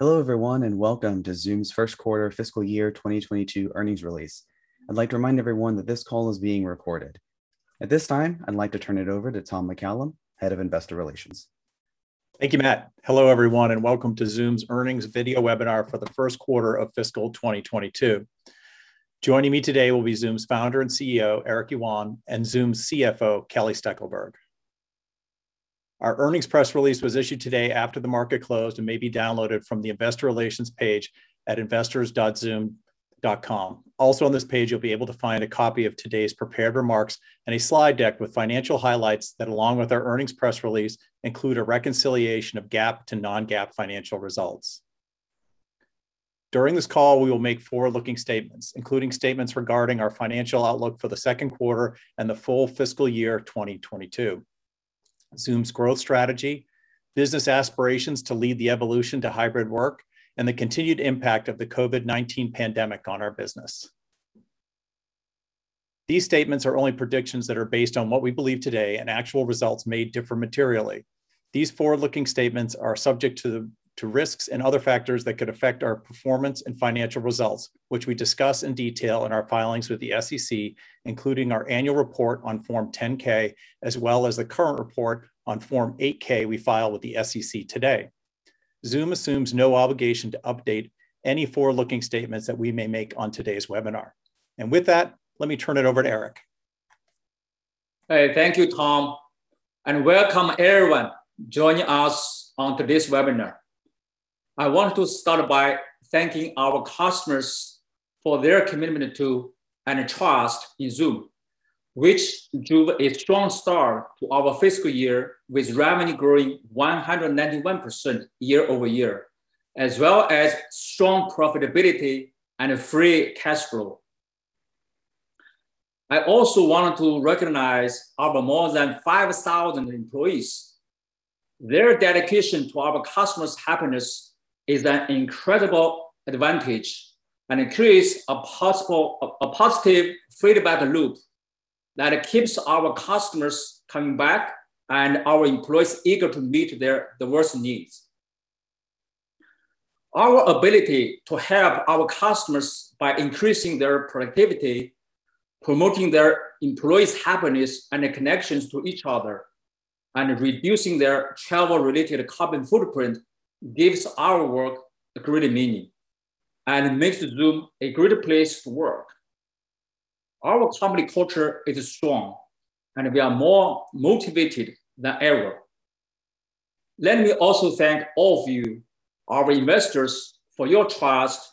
Hello everyone, welcome to Zoom's first quarter fiscal year 2022 earnings release. I'd like to remind everyone that this call is being recorded. At this time, I'd like to turn it over to Tom McCallum, Head of Investor Relations. Thank you, Matt. Hello everyone, and welcome to Zoom's earnings video webinar for the first quarter of fiscal 2022. Joining me today will be Zoom's founder and CEO, Eric Yuan, and Zoom's CFO, Kelly Steckelberg. Our earnings press release was issued today after the market closed and may be downloaded from the investor relations page at investors.zoom.com. Also on this page, you'll be able to find a copy of today's prepared remarks and a slide deck with financial highlights that, along with our earnings press release, include a reconciliation of GAAP to non-GAAP financial results. During this call, we will make forward-looking statements, including statements regarding our financial outlook for the second quarter and the full fiscal year 2022, Zoom's growth strategy, business aspirations to lead the evolution to hybrid work, and the continued impact of the COVID-19 pandemic on our business. These statements are only predictions that are based on what we believe today, and actual results may differ materially. These forward-looking statements are subject to risks and other factors that could affect our performance and financial results, which we discuss in detail in our filings with the SEC, including our annual report on Form 10-K, as well as the current report on Form 8-K we file with the SEC today. Zoom assumes no obligation to update any forward-looking statements that we may make on today's webinar. With that, let me turn it over to Eric. Hey, thank you, Tom, and welcome everyone joining us on today's webinar. I want to start by thanking our customers for their commitment to and trust in Zoom, which drove a strong start to our fiscal year with revenue growing 191% year-over-year, as well as strong profitability and free cash flow. I also want to recognize our more than 5,000 employees. Their dedication to our customers' happiness is an incredible advantage and creates a positive feedback loop that keeps our customers coming back and our employees eager to meet their diverse needs. Our ability to help our customers by increasing their productivity, promoting their employees' happiness and connections to each other, and reducing their travel-related carbon footprint gives our work a greater meaning and makes Zoom a greater place to work. Our company culture is strong, and we are more motivated than ever. Let me also thank all of you, our investors, for your trust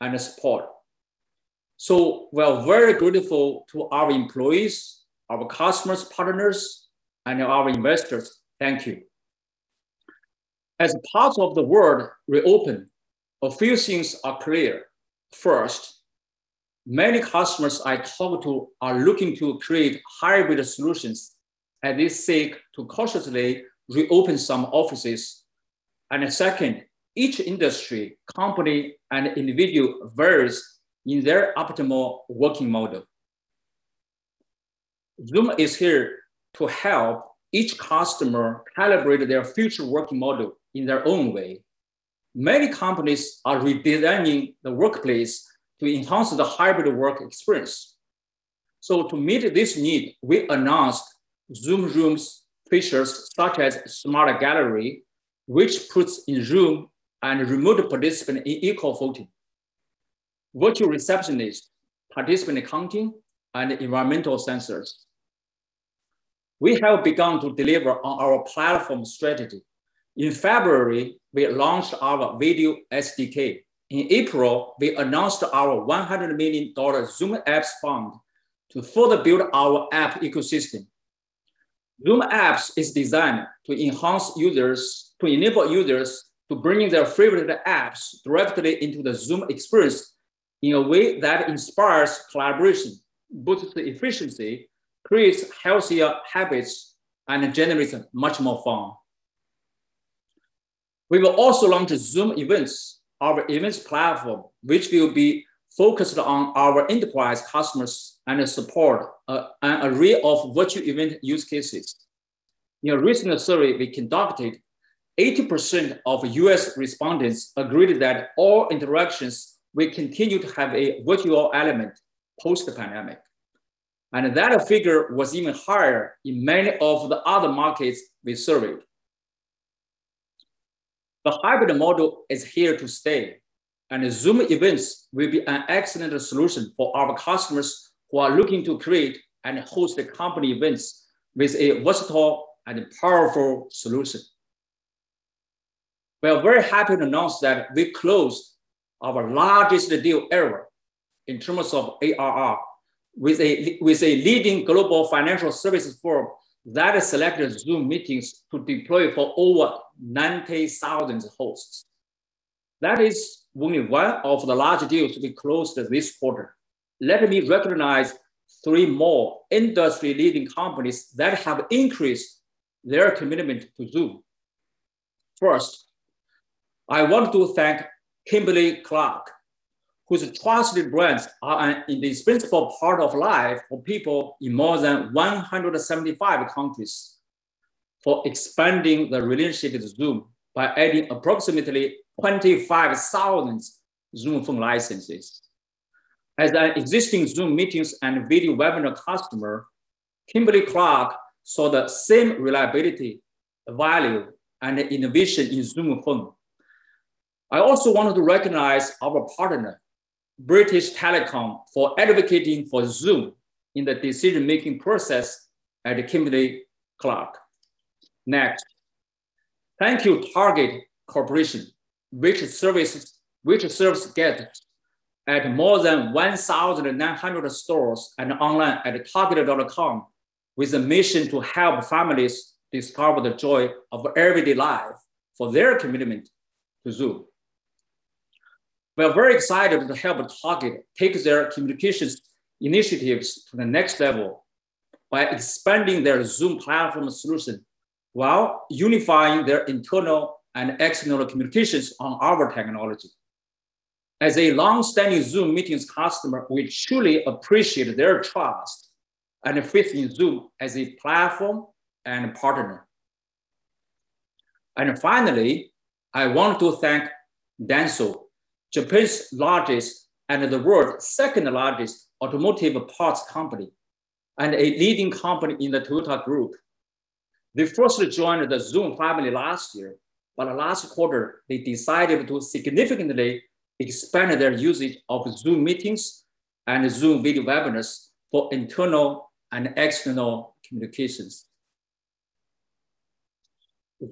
and support. We are very grateful to our employees, our customers, partners, and our investors. Thank you. As parts of the world reopen, a few things are clear. First, many customers I talk to are looking to create hybrid solutions as they seek to cautiously reopen some offices. Second, each industry, company, and individual varies in their optimal working model. Zoom is here to help each customer calibrate their future work model in their own way. Many companies are redesigning the workplace to enhance the hybrid work experience. To meet this need, we announced Zoom Rooms features such as Smart Gallery, which puts in-room and remote participants in equal footing, virtual receptionist, participant counting, and environmental sensors. We have begun to deliver on our platform strategy. In February, we launched our video SDK. In April, we announced our $100 million Zoom Apps fund to further build our app ecosystem. Zoom Apps is designed to enable users to bring their favorite apps directly into the Zoom experience in a way that inspires collaboration, boosts efficiency, creates healthier habits, and generates much more fun. We will also launch Zoom Events, our events platform, which will be focused on our enterprise customers and support an array of virtual event use cases. In a recent survey we conducted, 80% of U.S. respondents agreed that all interactions will continue to have a virtual element post the pandemic, and that figure was even higher in many of the other markets we surveyed. The hybrid model is here to stay, Zoom Events will be an excellent solution for our customers who are looking to create and host their company events with a versatile and powerful solution. We are very happy to announce that we closed our largest deal ever in terms of ARR with a leading global financial services firm that has selected Zoom Meetings to deploy for over 90,000 hosts. That is one of the large deals we closed this quarter. Let me recognize three more industry-leading companies that have increased their commitment to Zoom. First, I want to thank Kimberly-Clark whose trusted brands are an indispensable part of life for people in more than 175 countries for expanding the relationship with Zoom by adding approximately 25,000 Zoom Phone licenses. As an existing Zoom Meetings and Zoom Video Webinars customer, Kimberly-Clark saw the same reliability, value, and innovation in Zoom Phone. I also wanted to recognize our partner, British Telecom, for advocating for Zoom in the decision-making process at Kimberly-Clark. Next. Thank you, Target Corporation, which serves guests at more than 1,900 stores and online at target.com, with a mission to help families discover the joy of everyday life for their commitment to Zoom. We are very excited to help Target take their communications initiatives to the next level by expanding their Zoom platform solution, while unifying their internal and external communications on our technology. As a longstanding Zoom Meetings customer, we truly appreciate their trust and faith in Zoom as a platform and partner. Finally, I want to thank Denso, Japan's largest, and the world's second-largest automotive parts company, and a leading company in the Toyota Group. They first joined the Zoom family last year, last quarter they decided to significantly expand their usage of Zoom Meetings and Zoom Video Webinars for internal and external communications.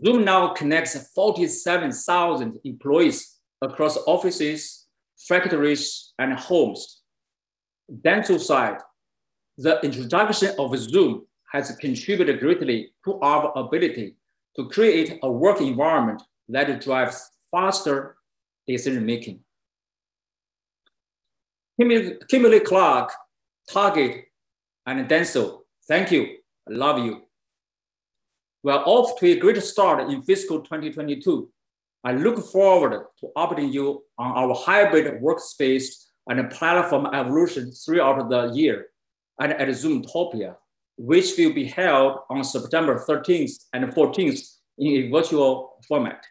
Zoom now connects 47,000 employees across offices, factories, and homes. Denso said, "The introduction of Zoom has contributed greatly to our ability to create a work environment that drives faster decision making." Kimberly-Clark, Target, and Denso, thank you. Love you. We're off to a great start in fiscal 2022. I look forward to updating you on our hybrid workspace and platform evolution throughout the year, and at Zoomtopia, which will be held on September 13th and 14th in a virtual format.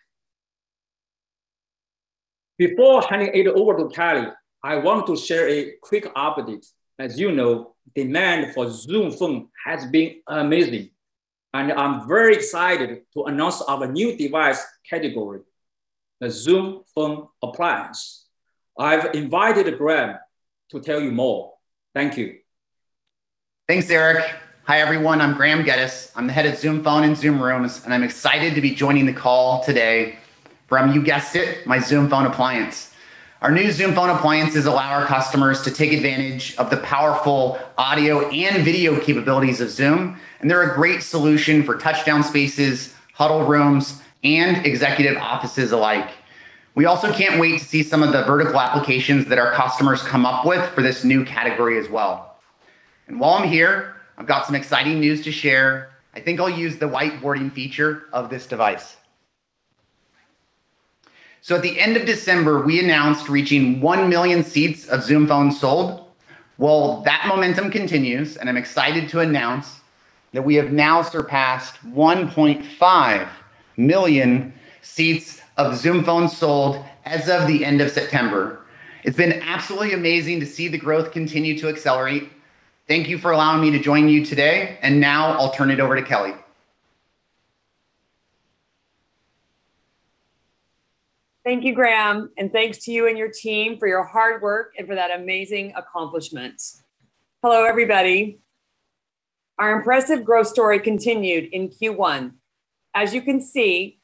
Before handing it over to Kelly, I want to share a quick update. As you know, demand for Zoom Phone has been amazing, and I'm very excited to announce our new device category, the Zoom Phone Appliance. I've invited Graeme to tell you more. Thank you. Thanks, Eric. Hi, everyone. I'm Graeme Geddes. I'm the head of Zoom Phone and Zoom Rooms, and I'm excited to be joining the call today from, you guessed it, my Zoom Phone Appliance. Our new Zoom Phone Appliances allow our customers to take advantage of the powerful audio and video capabilities of Zoom, and they're a great solution for touchdown spaces, huddle rooms, and executive offices alike. We also can't wait to see some of the vertical applications that our customers come up with for this new category as well. While I'm here, I've got some exciting news to share. I think I'll use the whiteboarding feature of this device. At the end of December, we announced reaching 1 million seats of Zoom Phone sold. Well, that momentum continues, and I'm excited to announce that we have now surpassed 1.5 million seats of Zoom Phone sold as of the end of September. It's been absolutely amazing to see the growth continue to accelerate. Thank you for allowing me to join you today, and now I'll turn it over to Kelly. Thank you, Graeme Geddes, and thanks to you and your team for your hard work and for that amazing accomplishment. Hello, everybody. Our impressive growth story continued in Q1. As you can see,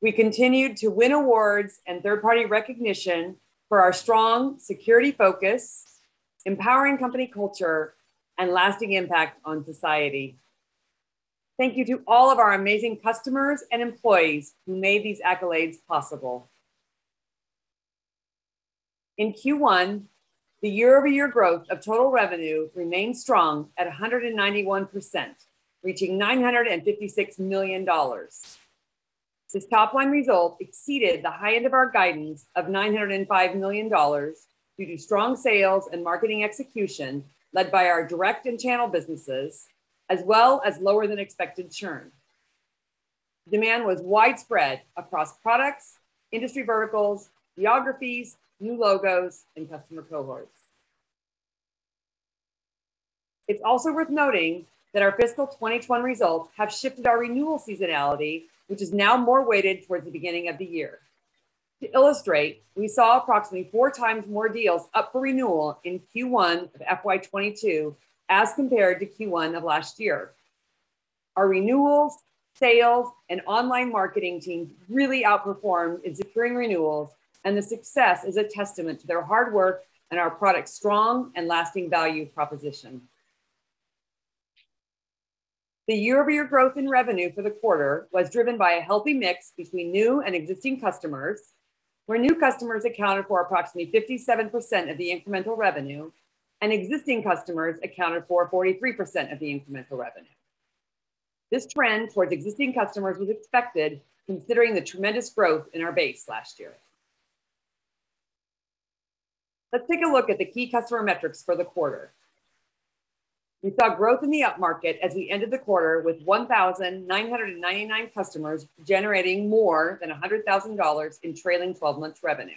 we continued to win awards and third-party recognition for our strong security focus, empowering company culture, and lasting impact on society. Thank you to all of our amazing customers and employees who made these accolades possible. In Q1, the year-over-year growth of total revenue remained strong at 191%, reaching $956 million. This top-line result exceeded the high end of our guidance of $905 million due to strong sales and marketing execution led by our direct and channel businesses, as well as lower than expected churn. Demand was widespread across products, industry verticals, geographies, new logos, and customer cohorts. It's also worth noting that our fiscal 2021 results have shifted our renewal seasonality, which is now more weighted towards the beginning of the year. To illustrate, we saw approximately four times more deals up for renewal in Q1 of FY 2022 as compared to Q1 of last year. Our renewals, sales, and online marketing teams really outperformed in securing renewals, and the success is a testament to their hard work and our product's strong and lasting value proposition. The year-over-year growth in revenue for the quarter was driven by a healthy mix between new and existing customers, where new customers accounted for approximately 57% of the incremental revenue, and existing customers accounted for 43% of the incremental revenue. This trend towards existing customers was expected considering the tremendous growth in our base last year. Let's take a look at the key customer metrics for the quarter. We saw growth in the upmarket at the end of the quarter with 1,999 customers generating more than $100,000 in trailing 12 months revenue.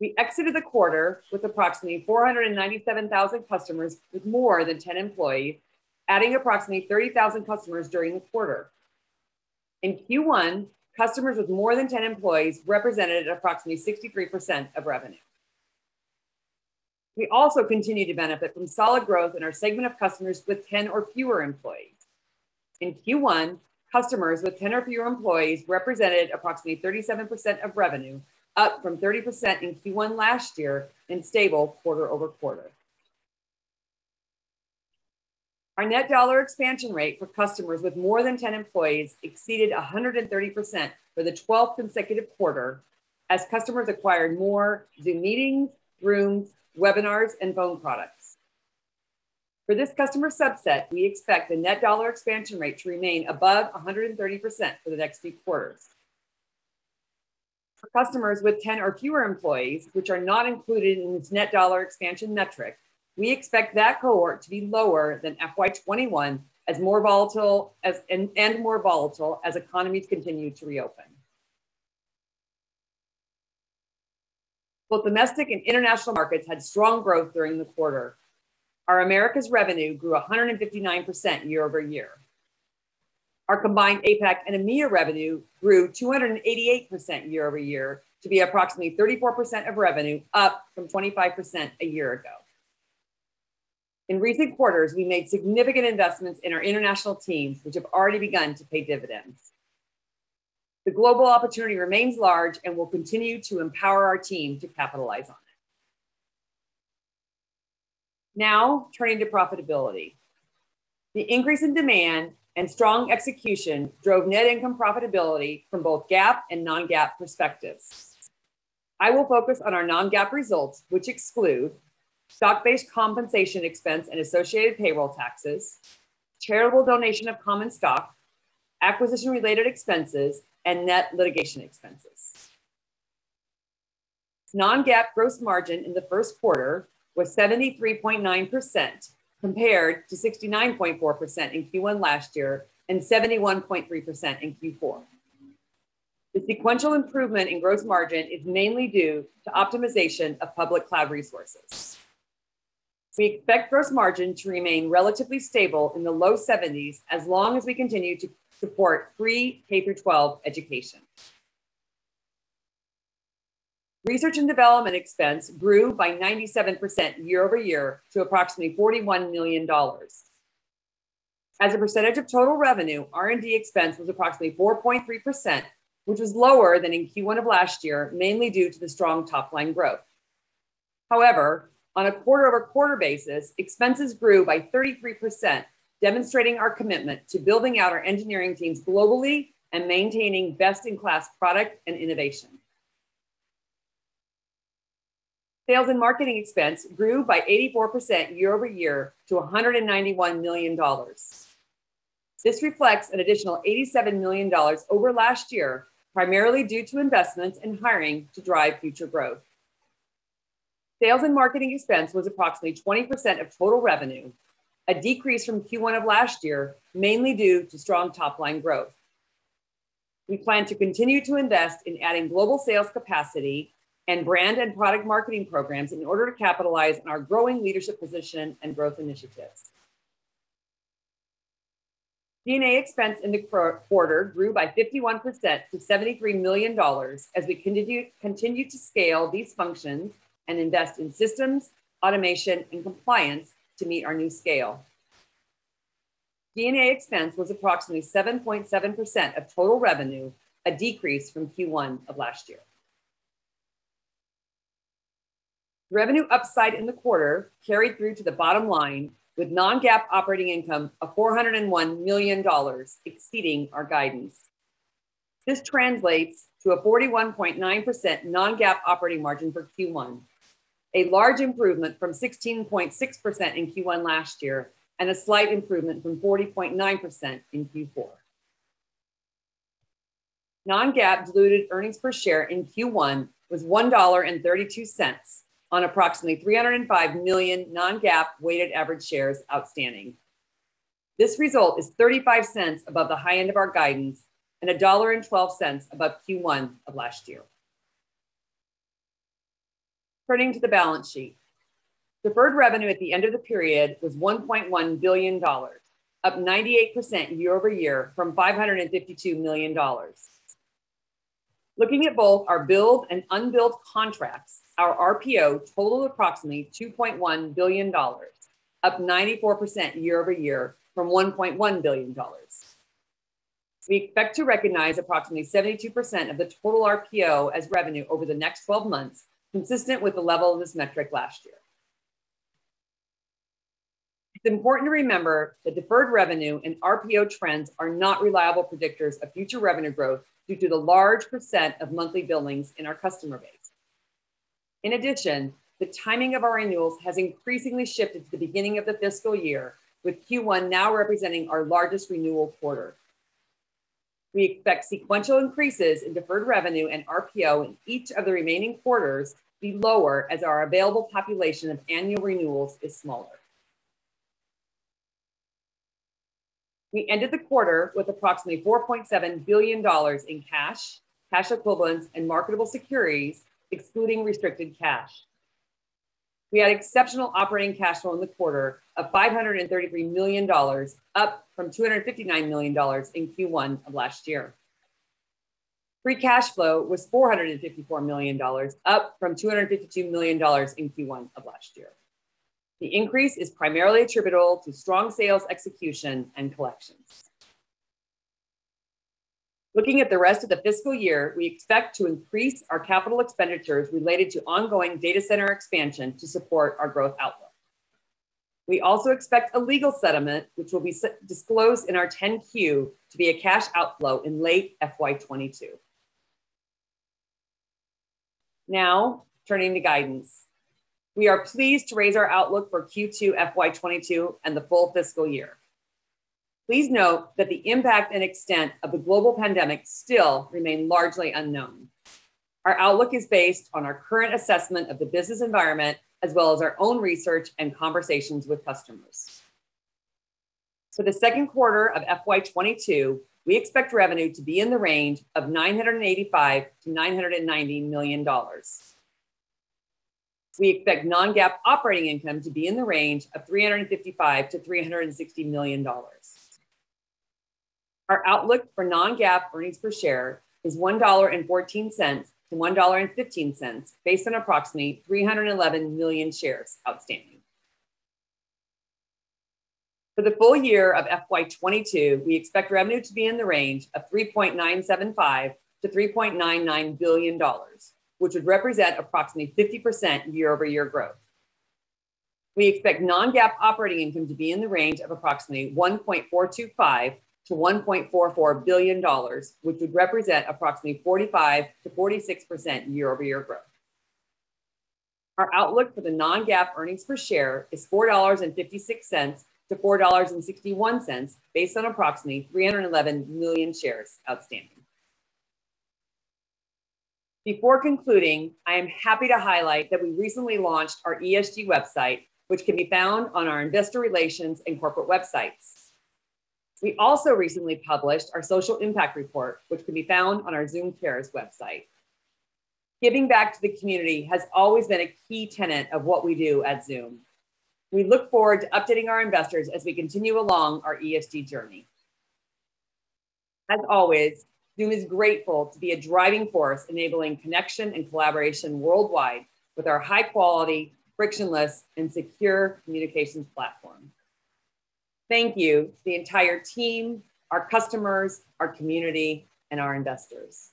We exited the quarter with approximately 497,000 customers with more than 10 employees, adding approximately 30,000 customers during the quarter. In Q1, customers with more than 10 employees represented approximately 63% of revenue. We also continue to benefit from solid growth in our segment of customers with 10 or fewer employees. In Q1, customers with 10 or fewer employees represented approximately 37% of revenue, up from 30% in Q1 last year and stable quarter-over-quarter. Our net dollar expansion rate for customers with more than 10 employees exceeded 130% for the 12th consecutive quarter, as customers acquired more Zoom Meetings, Rooms, Webinars, and Phone products. For this customer subset, we expect the net dollar expansion rate to remain above 130% for the next few quarters. For customers with 10 or fewer employees, which are not included in this net dollar expansion metric, we expect that cohort to be lower than FY 2021 and more volatile as economies continue to reopen. Both domestic and international markets had strong growth during the quarter. Our Americas revenue grew 159% year-over-year. Our combined APAC and EMEA revenue grew 288% year-over-year to be approximately 34% of revenue up from 25% a year ago. In recent quarters, we made significant investments in our international teams, which have already begun to pay dividends. The global opportunity remains large, and we'll continue to empower our team to capitalize on it. Now, turning to profitability. The increase in demand and strong execution drove net income profitability from both GAAP and non-GAAP perspectives. I will focus on our non-GAAP results, which exclude stock-based compensation expense and associated payroll taxes, charitable donation of common stock, acquisition-related expenses, and net litigation expenses. Non-GAAP gross margin in the first quarter was 73.9% compared to 69.4% in Q1 last year and 71.3% in Q4. The sequential improvement in gross margin is mainly due to optimization of public cloud resources. We expect gross margin to remain relatively stable in the low 70s as long as we continue to support free K-12 education. Research and development expense grew by 97% year-over-year to approximately $41 million. As a percentage of total revenue, R&D expense was approximately 4.3%, which is lower than in Q1 of last year, mainly due to the strong top-line growth. However, on a quarter-over-quarter basis, expenses grew by 33%, demonstrating our commitment to building out our engineering teams globally and maintaining best-in-class product and innovation. Sales and marketing expense grew by 84% year-over-year to $191 million. This reflects an additional $87 million over last year, primarily due to investments in hiring to drive future growth. Sales and marketing expense was approximately 20% of total revenue, a decrease from Q1 of last year, mainly due to strong top-line growth. We plan to continue to invest in adding global sales capacity and brand and product marketing programs in order to capitalize on our growing leadership position and growth initiatives. G&A expense in the quarter grew by 51% to $73 million as we continue to scale these functions and invest in systems, automation, and compliance to meet our new scale. D&A expense was approximately 7.7% of total revenue, a decrease from Q1 of last year. Revenue upside in the quarter carried through to the bottom line with non-GAAP operating income of $401 million exceeding our guidance. This translates to a 41.9% non-GAAP operating margin for Q1, a large improvement from 16.6% in Q1 last year, and a slight improvement from 40.9% in Q4. Non-GAAP diluted earnings per share in Q1 was $1.32 on approximately 305 million non-GAAP weighted average shares outstanding. This result is $0.35 above the high end of our guidance and $1.12 above Q1 of last year. Turning to the balance sheet. Deferred revenue at the end of the period was $1.1 billion, up 98% year-over-year from $552 million. Looking at both our billed and unbilled contracts, our RPO total approximately $2.1 billion, up 94% year-over-year from $1.1 billion. We expect to recognize approximately 72% of the total RPO as revenue over the next 12 months, consistent with the level of this metric last year. It's important to remember that deferred revenue and RPO trends are not reliable predictors of future revenue growth due to the large % of monthly billings in our customer base. In addition, the timing of our renewals has increasingly shifted to the beginning of the fiscal year, with Q1 now representing our largest renewal quarter. We expect sequential increases in deferred revenue and RPO in each of the remaining quarters to be lower as our available population of annual renewals is smaller. We ended the quarter with approximately $4.7 billion in cash equivalents, and marketable securities, excluding restricted cash. We had exceptional operating cash flow in the quarter of $533 million, up from $259 million in Q1 of last year. Free cash flow was $454 million, up from $252 million in Q1 of last year. The increase is primarily attributable to strong sales execution and collections. Looking at the rest of the fiscal year, we expect to increase our capital expenditures related to ongoing data center expansion to support our growth outlook. We also expect a legal settlement, which will be disclosed in our 10-Q, to be a cash outflow in late FY 2022. Now, turning to guidance. We are pleased to raise our outlook for Q2 FY 2022 and the full fiscal year. Please note that the impact and extent of the global pandemic still remain largely unknown. Our outlook is based on our current assessment of the business environment, as well as our own research and conversations with customers. For the second quarter of FY 2022, we expect revenue to be in the range of $985 million-$990 million. We expect non-GAAP operating income to be in the range of $355 million-$360 million. Our outlook for non-GAAP earnings per share is $1.14-$1.15, based on approximately 311 million shares outstanding. For the full year of FY 2022, we expect revenue to be in the range of $3.975 billion-$3.99 billion, which would represent approximately 50% year-over-year growth. We expect non-GAAP operating income to be in the range of approximately $1.425 billion-$1.44 billion, which would represent approximately 45%-46% year-over-year growth. Our outlook for the non-GAAP earnings per share is $4.56-$4.61, based on approximately 311 million shares outstanding. Before concluding, I am happy to highlight that we recently launched our ESG website, which can be found on our investor relations and corporate websites. We also recently published our social impact report, which can be found on our Zoom Cares website. Giving back to the community has always been a key tenet of what we do at Zoom. We look forward to updating our investors as we continue along our ESG journey. As always, Zoom is grateful to be a driving force enabling connection and collaboration worldwide with our high-quality, frictionless, and secure communications platform. Thank you to the entire team, our customers, our community, and our investors.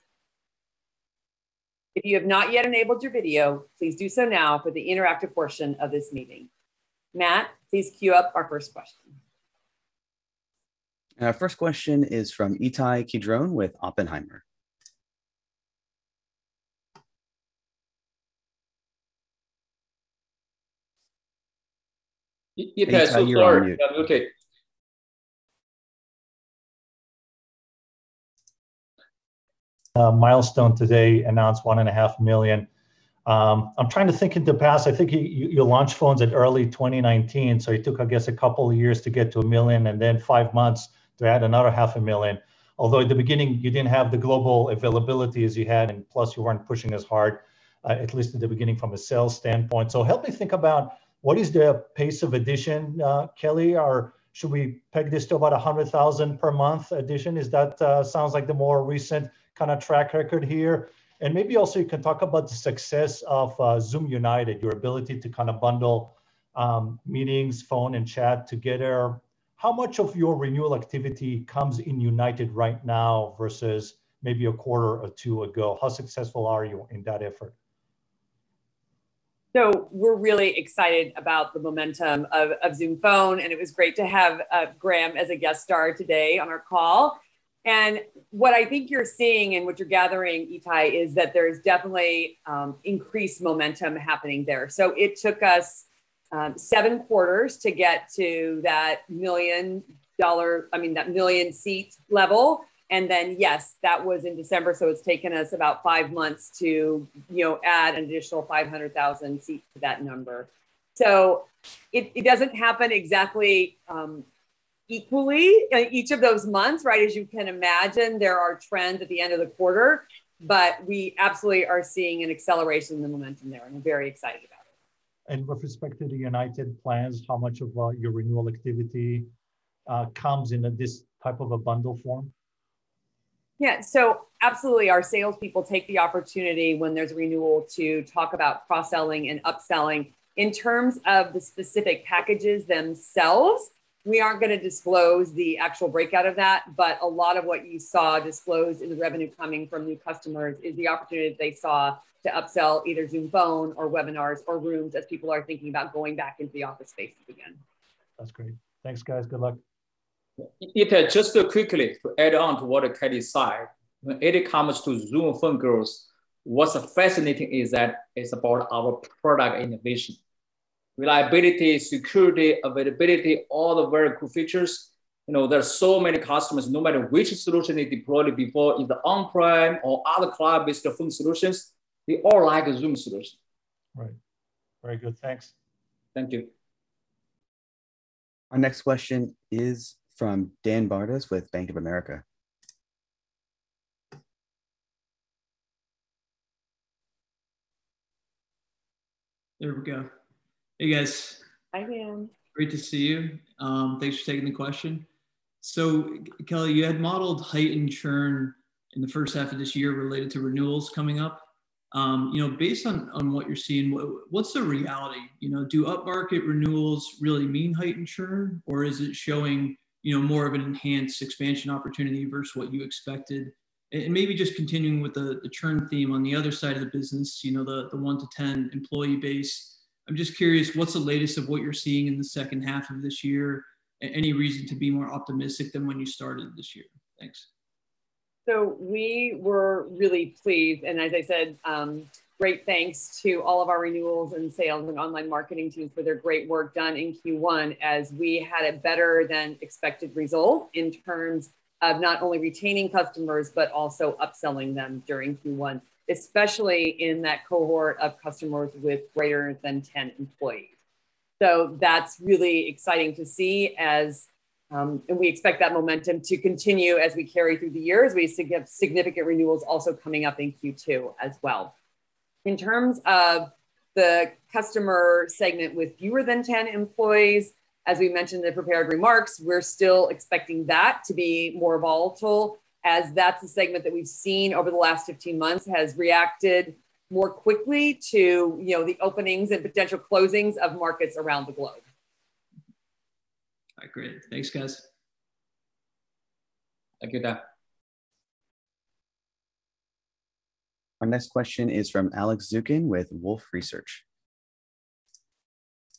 If you have not yet enabled your video, please do so now for the interactive portion of this meeting. Matt, please queue up our first question. Our first question is from Ittai Kidron with Oppenheimer. Ittai, so sorry. Okay. Milestone today, announced 1.5 million. I'm trying to think of the past. I think you launched phones in early 2019, it took, I guess, a couple of years to get to 1 million, and then five months to add another 0.5 million. Although at the beginning, you didn't have the global availability as you had, and plus you weren't pushing as hard, at least at the beginning from a sales standpoint. Help me think about what is the pace of addition, Kelly, or should we peg this to about 100,000 per month addition? Is that sounds like the more recent kind of track record here. Maybe also you can talk about the success of Zoom United, your ability to kind of bundle meetings, phone, and chat together. How much of your renewal activity comes in United right now versus maybe a quarter or two ago? How successful are you in that effort? We're really excited about the momentum of Zoom Phone, and it was great to have Graeme as a guest star today on our call. What I think you're seeing and what you're gathering, Ittai, is that there's definitely increased momentum happening there. It took us seven quarters to get to that million seats level. Then, yes, that was in December, it's taken us about five months to add an additional 500,000 seats to that number. It doesn't happen exactly equally in each of those months, right? As you can imagine, there are trends at the end of the quarter, but we absolutely are seeing an acceleration in the momentum there. I'm very excited about it. With respect to the Zoom United plans, how much of your renewal activity comes in this type of a bundle form? Yeah. Absolutely, our salespeople take the opportunity when there's renewal to talk about cross-selling and upselling. In terms of the specific packages themselves. We aren't going to disclose the actual breakout of that, but a lot of what you saw disclosed in revenue coming from new customers is the opportunity they saw to upsell either Zoom Phone or webinars or Rooms as people are thinking about going back into the office space again. That's great. Thanks, guys. Good luck. Just quickly to add on to what Kelly said, when it comes to Zoom Phone growth, what's fascinating is that it's about our product innovation, reliability, security, availability, all the very cool features. There are so many customers, no matter which solution they deployed before, either on-prem or other cloud-based phone solutions, they all like the Zoom solution. Right. Very good. Thanks. Thank you. Our next question is from Daniel Bartus with Bank of America. There we go. Hey, guys. Hi, Dan. Great to see you. Thanks for taking the question. Kelly, you had modeled heightened churn in the first half of this year related to renewals coming up. Based on what you're seeing, what's the reality? Do up-market renewals really mean heightened churn or is it showing more of an enhanced expansion opportunity versus what you expected? Maybe just continuing with the churn theme on the other side of the business, the 1-10 employee base. I'm just curious, what's the latest of what you're seeing in the second half of this year? Any reason to be more optimistic than when you started this year? Thanks. We were really pleased, and as I said, great thanks to all of our renewals and sales and online marketing teams for their great work done in Q1 as we had a better than expected result in terms of not only retaining customers but also upselling them during Q1, especially in that cohort of customers with greater than 10 employees. That's really exciting to see as we expect that momentum to continue as we carry through the year as we have significant renewals also coming up in Q2 as well. In terms of the customer segment with fewer than 10 employees, as we mentioned in the prepared remarks, we're still expecting that to be more volatile, as that's the segment that we've seen over the last 15 months has reacted more quickly to the openings and potential closings of markets around the globe. All right, great. Thanks, guys. Thank you, Dan. Our next question is from Alex Zukin with Wolfe Research.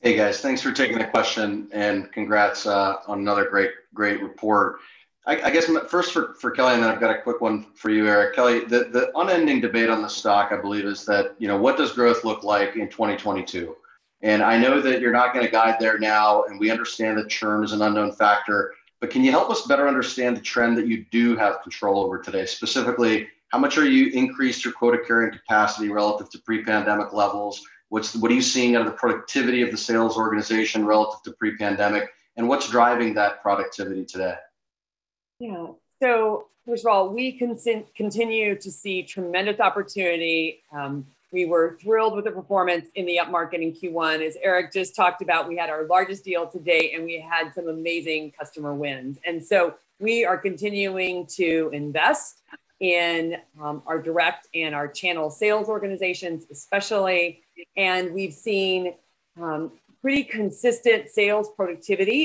Hey, guys. Thanks for taking the question and congrats on another great report. I guess first for Kelly, and then I've got a quick one for you, Eric. Kelly, the unending debate on the stock, I believe, is what does growth look like in 2022? I know that you're not going to guide there now, and we understand that churn is an unknown factor, but can you help us better understand the trend that you do have control over today? Specifically, how much have you increased your quota carrying capacity relative to pre-pandemic levels? What are you seeing on the productivity of the sales organization relative to pre-pandemic, and what's driving that productivity today? First of all, we continue to see tremendous opportunity. We were thrilled with the performance in the upmarket in Q1. As Eric just talked about, we had our largest deal to date, and we had some amazing customer wins. We are continuing to invest in our direct and our channel sales organizations especially, and we've seen pretty consistent sales productivity.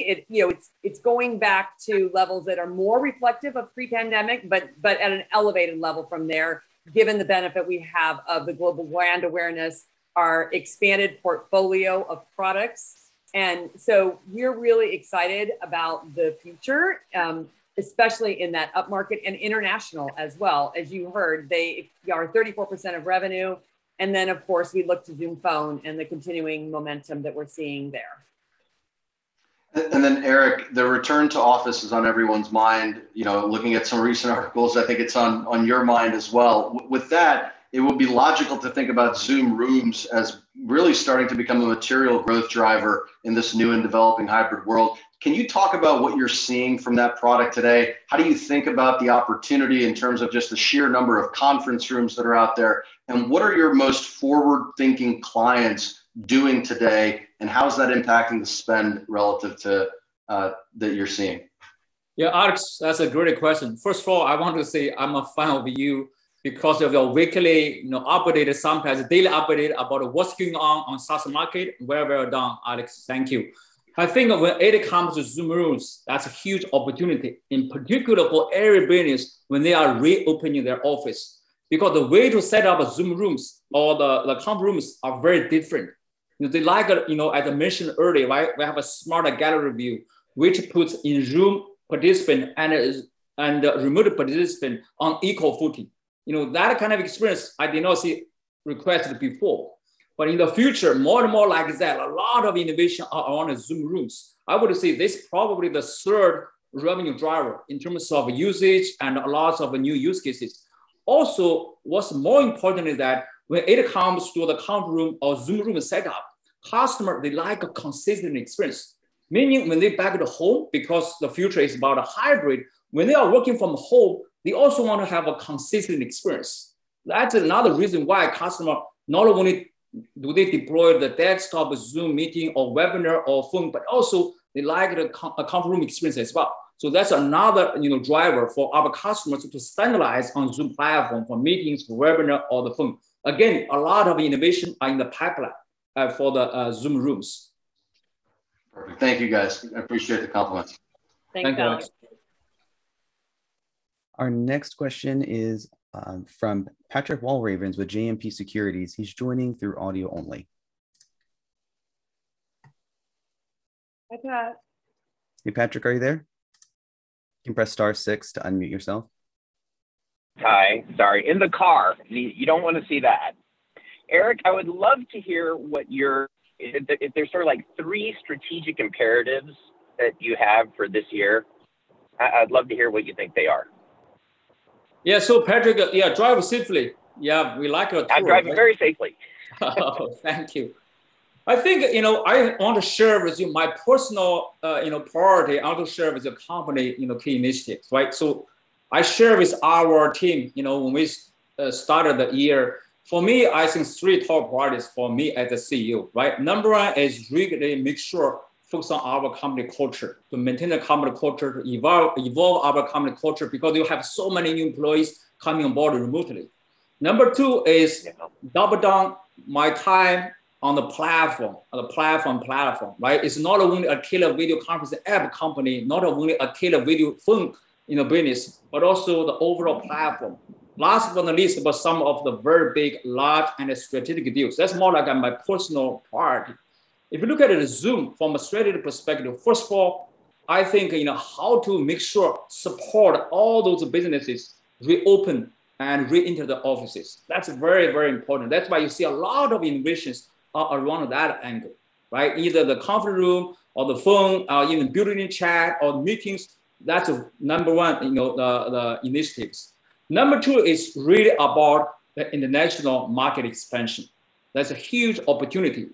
It's going back to levels that are more reflective of pre-pandemic, but at an elevated level from there, given the benefit we have of the global brand awareness, our expanded portfolio of products, and so we're really excited about the future, especially in that upmarket and international as well. As you heard, they are 34% of revenue, and then, of course, we look to Zoom Phone and the continuing momentum that we're seeing there. Eric, the return to office is on everyone's mind. Looking at some recent articles, I think it's on your mind as well. With that, it would be logical to think about Zoom Rooms as really starting to become a material growth driver in this new and developing hybrid world. Can you talk about what you're seeing from that product today? How do you think about the opportunity in terms of just the sheer number of conference rooms that are out there, and what are your most forward-thinking clients doing today, and how's that impacting the spend relative to that you're seeing? Alex, that's a great question. First of all, I want to say I'm a fan of you because of your weekly updated sometimes data update about what's going on in the stock market. Very well done, Alex. Thank you. I think when it comes to Zoom Rooms, that's a huge opportunity in particular for every business when they are reopening their office. The way to set up Zoom Rooms or the conference rooms are very different. They like, as I mentioned earlier, we have a Smart Gallery view, which puts Zoom participant and the remote participant on equal footing. That kind of experience I did not see requested before. In the future, more and more like that, a lot of innovation on Zoom Rooms. I would say this is probably the third revenue driver in terms of usage and a lot of new use cases. What's more important is that when it comes to the conference room or Zoom Room setup, customers, they like a consistent experience, meaning when they're back in the home, because the future is about hybrid, when they are working from home, they also want to have a consistent experience. That's another reason why a customer, not only do they deploy the desktop Zoom Meetings or Zoom Webinars or Zoom Phone, but also they like the conference room experience as well. That's another driver for our customers to standardize on Zoom platform for meetings, for Zoom Webinars, or the Zoom Phone. Again, a lot of innovation in the pipeline for the Zoom Rooms. Thank you, guys. I appreciate the comments. Thank you, Alex. Our next question is from Patrick Walravens with JMP Securities. He's joining through audio only. Hi, Pat. Hey, Patrick, are you there? You can press star six to unmute yourself. Hi, sorry. In the car. You don't want to see that. Eric, if there's three strategic imperatives that you have for this year, I'd love to hear what you think they are. Patrick, drive safely. We like. I drive very safely. Thank you. I want to share with you my personal priority. I want to share with the company key initiatives. I share with our team when we started the year, for me, I think three top priorities for me as a CEO. Number one is really make sure focus on our company culture, to maintain the company culture, to evolve our company culture, because you have so many new employees coming on board remotely. Number two is double down my time on the platform. It's not only a killer video conference app company, not only a killer video phone business, but also the overall platform. Last but not least, but some of the very big, large, and strategic deals. That's more like my personal priority. If you look at Zoom from a strategic perspective, first of all, I think how to make sure support all those businesses reopen and reenter the offices. That's very important. That's why you see a lot of innovations are around that angle. Either the conference room or the phone or even building chat or meetings, that's number one initiatives. Number two is really about the international market expansion. That's a huge opportunity.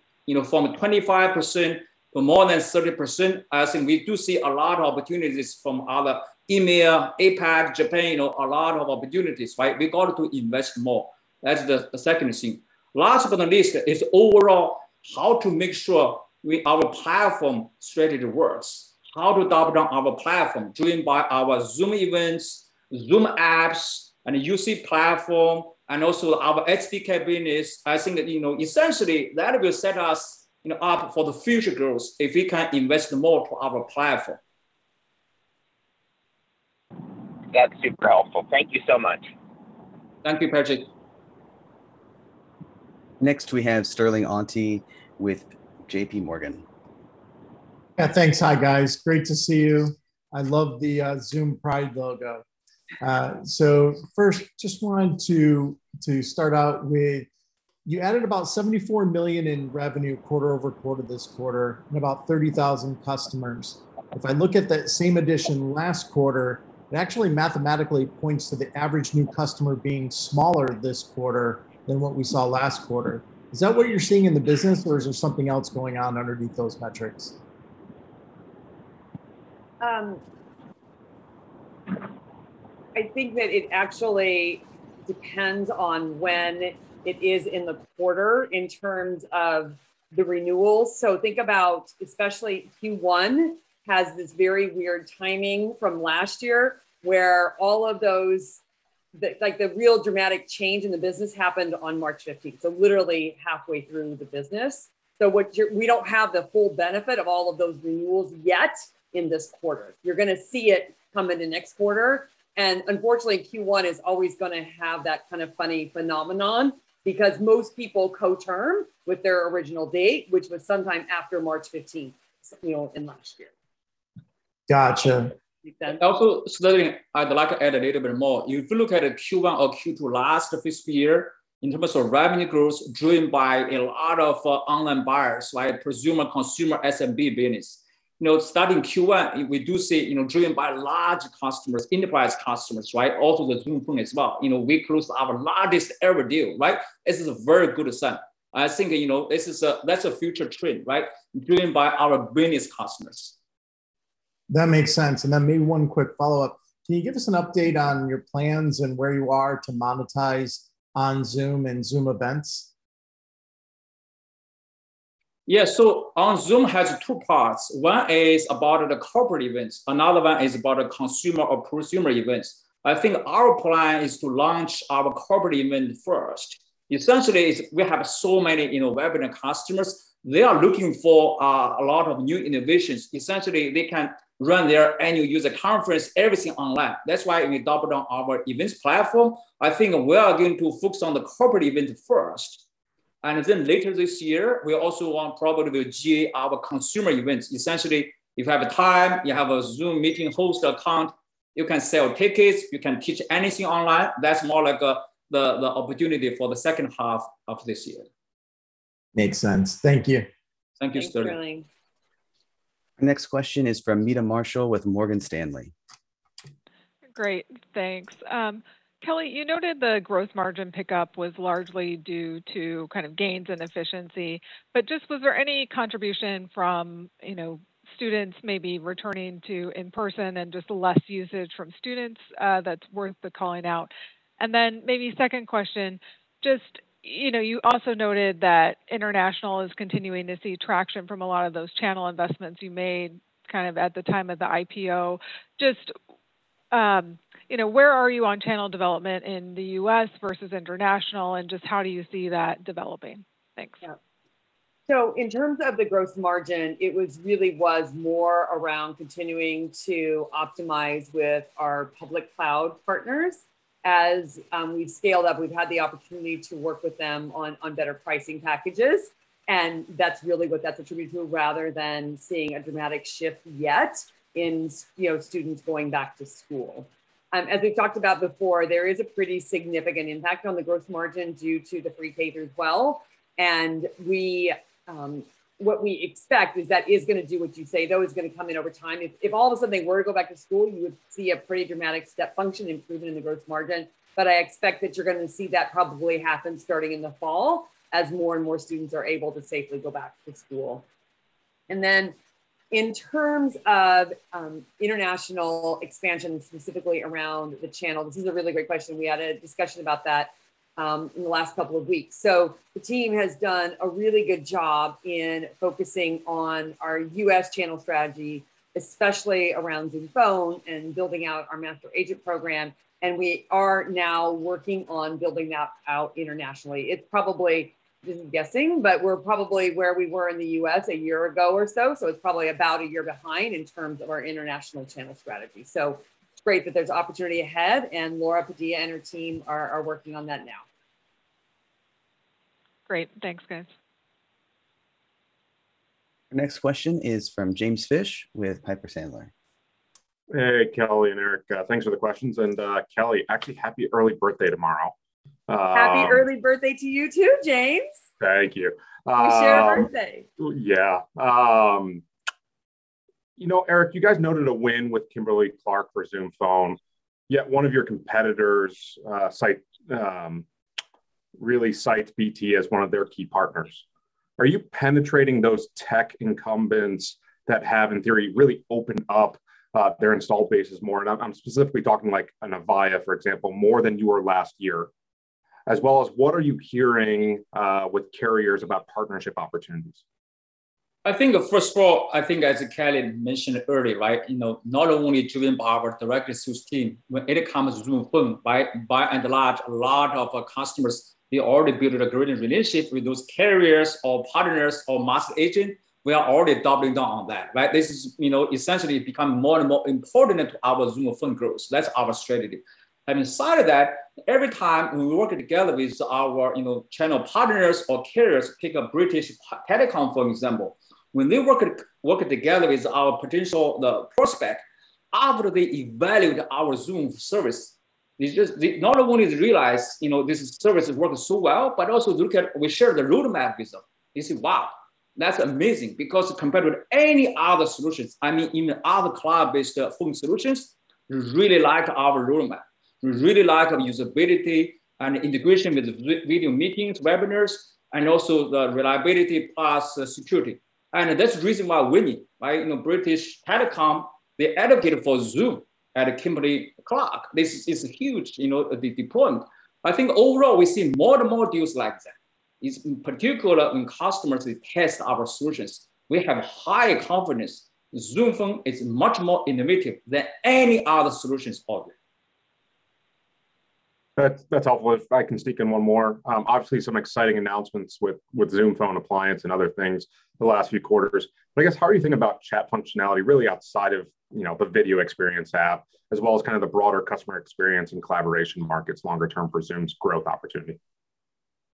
From 25% to more than 30%, I think we do see a lot of opportunities from other EMEA, APAC, Japan, a lot of opportunities. We got to invest more. That's the second thing. Last but not least is overall how to make sure our platform strategy works. How to double down our platform driven by our Zoom Events, Zoom Apps, and UC platform, and also our SDK business. I think that essentially that will set us up for the future growth if we can invest more to our platform. That's super helpful. Thank you so much. Thank you, Patrick. Next we have Sterling Auty with JPMorgan. Yeah, thanks. Hi guys. Great to see you. I love the Zoom Pride logo. First, just wanted to start out with, you added about $74 million in revenue quarter-over-quarter this quarter and about 30,000 customers. If I look at that same addition last quarter, it actually mathematically points to the average new customer being smaller this quarter than what we saw last quarter. Is that what you're seeing in the business or is there something else going on underneath those metrics? I think that it actually depends on when it is in the quarter in terms of the renewals. Think about especially Q1 has this very weird timing from last year where all of those, the real dramatic change in the business happened on March 15th, literally halfway through the business. We don't have the full benefit of all of those renewals yet in this quarter. You're going to see it come in the next quarter, and unfortunately, Q1 is always going to have that kind of funny phenomenon because most people co-term with their original date, which was sometime after March 15th in last year. Got you. Also, Sterling, I'd like to add a little bit more. If you look at Q1 or Q2 last fiscal year, in terms of revenue growth driven by a lot of online buyers, like prosumer, consumer, SMB business. Starting Q1, we do see driven by large customers, enterprise customers. Also the Zoom Phone as well. We closed our largest ever deal. This is a very good sign. I think that's a future trend. Driven by our business customers. That makes sense. Maybe one quick follow-up. Can you give us an update on your plans and where you are to monetize on Zoom and Zoom Events? Yeah. OnZoom has two parts. One is about the corporate events, another one is about consumer or prosumer events. I think our plan is to launch our corporate event first. Essentially, we have so many webinar customers. They are looking for a lot of new innovations. Essentially, they can run their annual user conference, everything online. That's why we doubled down our events platform. I think we are going to focus on the corporate event first, and then later this year, we also want probably to GA our consumer events. Essentially, you have a time, you have a Zoom Meetings host account, you can sell tickets, you can teach anything online. That's more like the opportunity for the second half of this year. Makes sense. Thank you. Thank you, Sterling. Thanks, Sterling. Next question is from Meta Marshall with Morgan Stanley. Great, thanks. Kelly, you noted the gross margin pickup was largely due to gains in efficiency, was there any contribution from students maybe returning to in person and just less usage from students that's worth calling out? Maybe second question, you also noted that international is continuing to see traction from a lot of those channel investments you made at the time of the IPO. Where are you on channel development in the U.S. versus international, and just how do you see that developing? Thanks. In terms of the gross margin, it really was more around continuing to optimize with our public cloud partners. As we scale up, we've had the opportunity to work with them on better pricing packages, and that's really what that contributes to rather than seeing a dramatic shift yet in students going back to school. As we talked about before, there is a pretty significant impact on the gross margin due to the free paid as well. What we expect is that is going to do what you say, though, it's going to come in over time. If all of a sudden we were to go back to school, you would see a pretty dramatic step function improvement in the gross margin. I expect that you're going to see that probably happen starting in the fall as more and more students are able to safely go back to school. In terms of international expansion, specifically around the channel, this is a really great question. We had a discussion about that in the last couple of weeks. The team has done a really good job in focusing on our U.S. channel strategy, especially around Zoom Phone and building out our master agent program. We are now working on building that out internationally. It's probably guessing, but we're probably where we were in the U.S. a year ago or so it's probably about a year behind in terms of our international channel strategy. It's great that there's opportunity ahead, and Laura Padilla and her team are working on that now. Great. Thanks, Fran. The next question is from James Fish with Piper Sandler. Hey, Kelly and Eric. Thanks for the questions. Kelly, actually happy early birthday tomorrow. Happy early birthday to you, too, James. Thank you. It's your birthday. Yeah. Eric, you guys noted a win with Kimberly-Clark for Zoom Phone, yet one of your competitors really cites BT as one of their key partners. Are you penetrating those tech incumbents that have, in theory, really opened up their install base more? Now I'm specifically talking like an Avaya, for example, more than you were last year. As well as what are you hearing with carriers about partnership opportunities? I think first of all, I think as Kelly mentioned earlier, not only driven by our direct sales team, when it comes to Zoom Phone, by and large, a lot of our customers, they already build a great relationship with those carriers or partners or master agent. We are already doubling down on that, right? This is essentially become more and more important to our Zoom Phone growth. That's our strategy. Inside of that, every time we work together with our channel partners or carriers, pick up British Telecom, for example. When they work together with our potential prospect, after they evaluate our Zoom service, not only they realize this service works so well, but also look at we share the roadmap with them. They say, "Wow, that's amazing." because compared to any other solutions, I mean, in other cloud-based phone solutions, they really like our roadmap. They really like the usability and integration with video meetings, webinars, and also the reliability plus security. That's the reason why we won, BT Group, they advocate for Zoom at Kimberly-Clark. This is huge, the deployment. I think overall, we see more and more deals like that. In particular when customers test our solutions, we have high confidence Zoom Phone is much more innovative than any other solutions for them. That's helpful. If I can sneak in one more. Obviously, some exciting announcements with Zoom Phone Appliance and other things the last few quarters. I guess how are you think about chat functionality really outside of the video experience app as well as kind of the broader customer experience and collaboration markets longer term for Zoom's growth opportunity?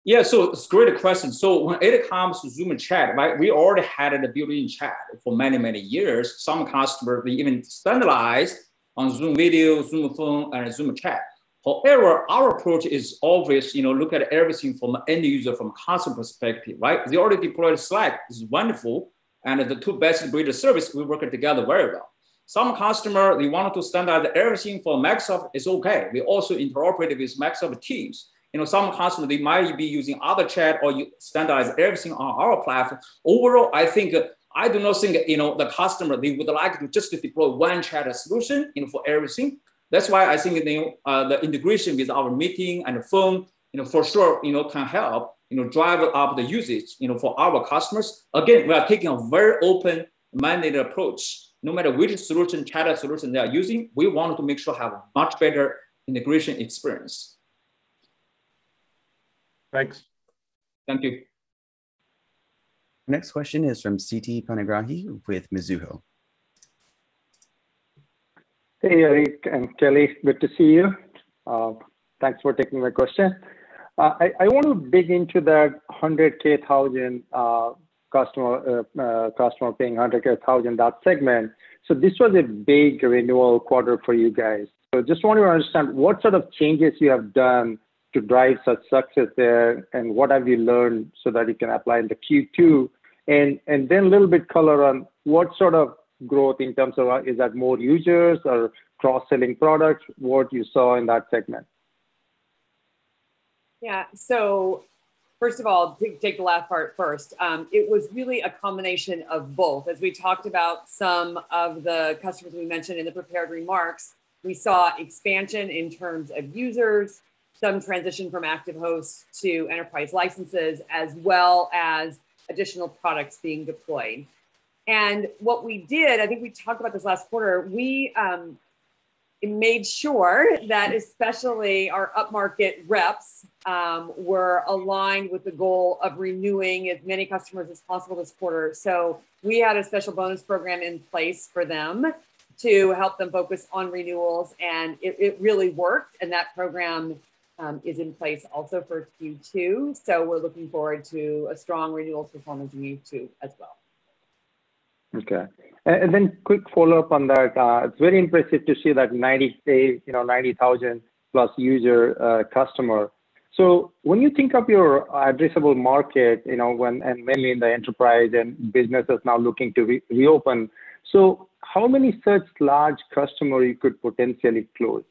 Yeah. It's a great question. When it comes to Zoom and chat, we already had a built-in chat for many, many years. Some customer even standardized on Zoom video, Zoom Phone, and Zoom chat. However, our approach is always look at everything from an end user, from a console perspective, right? They already deployed Slack, it's wonderful, and the two best-in-breed service, we work together very well. Some customer, they wanted to standardize everything for Microsoft, it's okay. We also incorporated with Microsoft Teams. Some customer, they might be using other chat or standardize everything on our platform. Overall, I think that I do not think the customer, they would like just to deploy one chat solution for everything. That's why I think the integration with our Meetings and Phone for sure can help drive up the usage for our customers. We are taking a very open-minded approach. No matter which solution, chat solution they are using, we want to make sure have much better integration experience. Thanks. Thank you. Next question is from Siti Panigrahi with Mizuho. Hey, Eric and Kelly. Good to see you. Thanks for taking my question. I want to dig into that 100K customer paying 100K, that segment. This was a big renewal quarter for you guys. I just want to understand what sort of changes you have done to drive such success there, and what have you learned so that you can apply in the Q2? A little bit color on what sort of growth in terms of is that more users or cross-selling products, what you saw in that segment? First of all, take the last part first. It was really a combination of both. As we talked about some of the customers we mentioned in the prepared remarks, we saw expansion in terms of users, some transition from active hosts to enterprise licenses, as well as additional products being deployed. What we did, I think we talked about this last quarter, We made sure that especially our upmarket reps were aligned with the goal of renewing as many customers as possible this quarter. We had a special bonus program in place for them to help them focus on renewals, it really worked. That program is in place also for Q2, we're looking forward to a strong renewal performance in Q2 as well. Okay. Quick follow-up on that. It's very impressive to see that 90,000 plus user customer. When you think of your addressable market, and many in the enterprise and businesses now looking to reopen, so how many such large customer you could potentially close?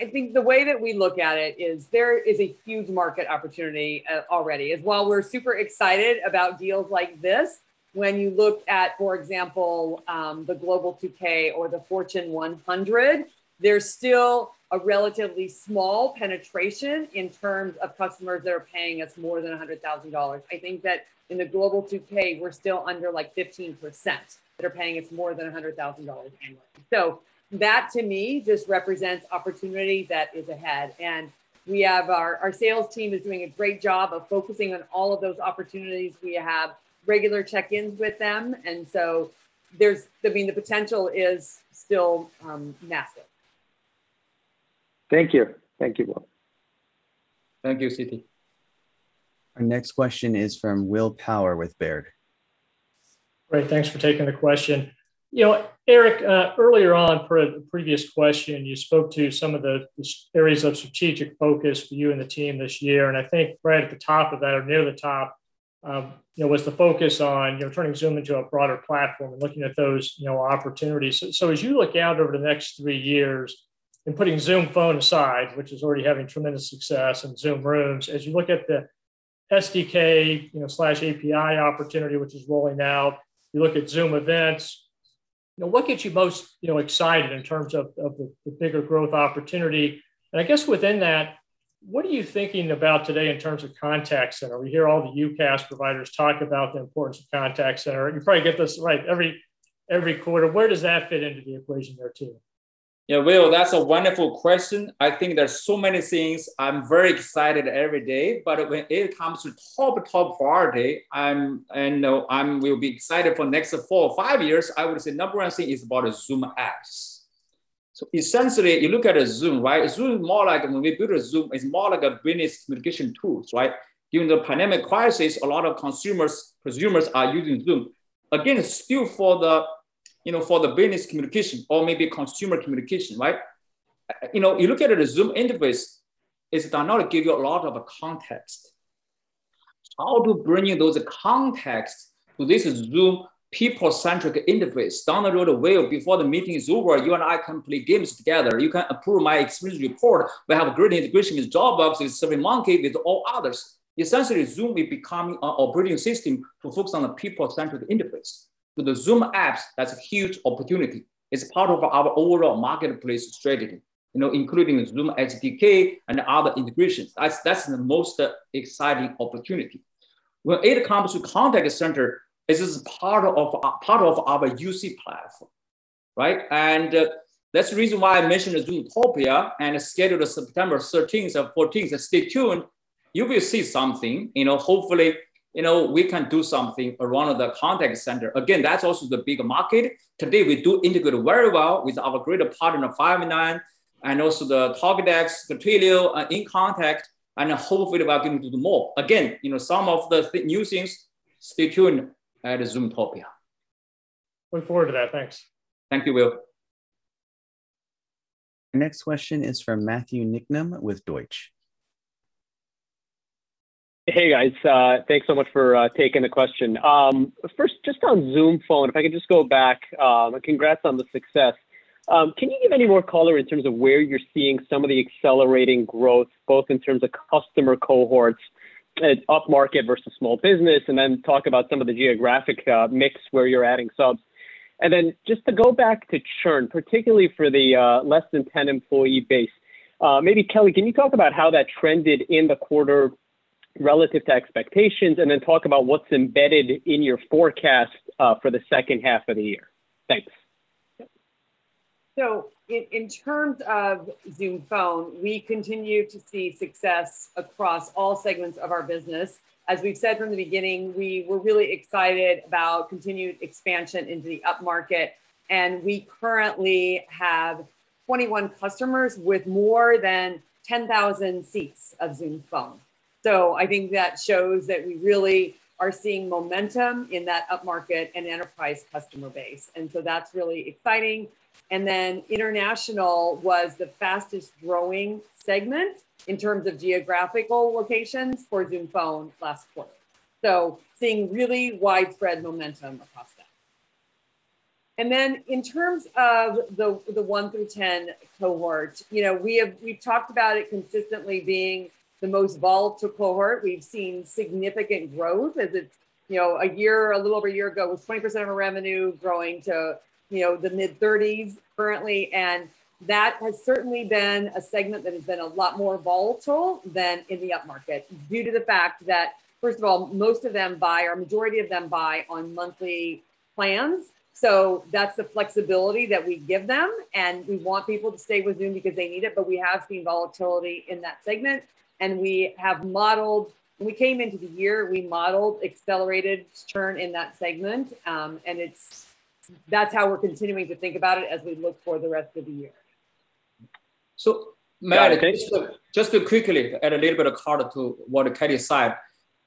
I think the way that we look at it is there is a huge market opportunity already. While we're super excited about deals like this, when you look at, for example, the Global 2000 or the Fortune 100, there's still a relatively small penetration in terms of customers that are paying us more than $100,000. I think that in the Global 2000, we're still under 15% that are paying us more than $100,000 annually. That to me just represents opportunity that is ahead, and our sales team is doing a great job of focusing on all of those opportunities. We have regular check-ins with them, and so the potential is still massive. Thank you. Thank you, Will. Thank you, Siti. Our next question is from William Power with Baird. Great. Thanks for taking the question. Eric, earlier on for the previous question, you spoke to some of the areas of strategic focus for you and the team this year, and I think right at the top of that or near the top, was the focus on turning Zoom into a broader platform, looking at those opportunities. As you look out over the next three years and putting Zoom Phone aside, which is already having tremendous success, and Zoom Rooms, as you look at the SDK/API opportunity, which is rolling out, you look at Zoom Events, what gets you most excited in terms of the bigger growth opportunity? I guess within that, what are you thinking about today in terms of contact center? We hear all the UCaaS providers talk about the importance of contact center, and you probably get this every quarter. Where does that fit into the equation there too? Yeah, Will, that's a wonderful question. I think there's so many things I'm very excited every day, when it comes to top priority, and I'm will be excited for next four or five years, I would say number one thing is about Zoom Apps. Essentially, you look at Zoom, right? When you build Zoom, it's more like a business communication tools, right? During the pandemic crisis, a lot of consumers are using Zoom, again, still for the business communication or maybe consumer communication, right? You look at a Zoom interface, it's not going to give you a lot of context. How to bring those context to this Zoom people-centric interface, down the road, Will, before the meeting is over, you and I can play games together. You can approve my expense report. We have great integration with Jobox, with SurveyMonkey, with all others. Essentially, Zoom is becoming an operating system to focus on a people-centric interface. The Zoom Apps has a huge opportunity. It's part of our overall marketplace strategy including Zoom SDK and other integrations. That's the most exciting opportunity. When it comes to contact center, this is part of our UC platform, right? That's the reason why I mentioned Zoomtopia and scheduled September 13th and 14th. Stay tuned, you will see something. Hopefully, we can do something around the contact center. Again, that's also the bigger market. Today, we do integrate very well with our great partner, Five9, and also the Talkdesk, the Prio, and inContact, and hopefully we are giving you more. Again, some of the new things, stay tuned at Zoomtopia. Look forward to that. Thanks. Thank you, Will. Our next question is from Matthew Niknam with Deutsche. Hey, guys. Thanks so much for taking the question. First, just on Zoom Phone, if I could just go back, congrats on the success. Can you give any more color in terms of where you're seeing some of the accelerating growth, both in terms of customer cohorts and upmarket versus small business, and then talk about some of the geographic mix where you're adding subs? Just to go back to churn, particularly for the less than 10 employee base. Maybe Kelly, can you talk about how that trended in the quarter relative to expectations, and then talk about what's embedded in your forecast for the second half of the year? Thanks. In terms of Zoom Phone, we continue to see success across all segments of our business. As we said from the beginning, we were really excited about continued expansion into the upmarket, and we currently have 21 customers with more than 10,000 seats of Zoom Phone. I think that shows that we really are seeing momentum in that upmarket and enterprise customer base, and so that's really exciting. International was the fastest-growing segment in terms of geographical locations for Zoom Phone last quarter. Seeing really widespread momentum across that. In terms of the 1 through 10 cohort, we've talked about it consistently being the most volatile cohort. We've seen significant growth as it's a little over a year ago, it was 20% of revenue growing to the mid-30s currently. That has certainly been a segment that has been a lot more volatile than in the upmarket due to the fact that first of all, most of them buy or majority of them buy on monthly plans. That's the flexibility that we give them, and we want people to stay with Zoom because they need it, but we have seen volatility in that segment, and when we came into the year, we modeled accelerated churn in that segment. That's how we're continuing to think about it as we look for the rest of the year. Just to quickly add a little bit of color to what Kelly said.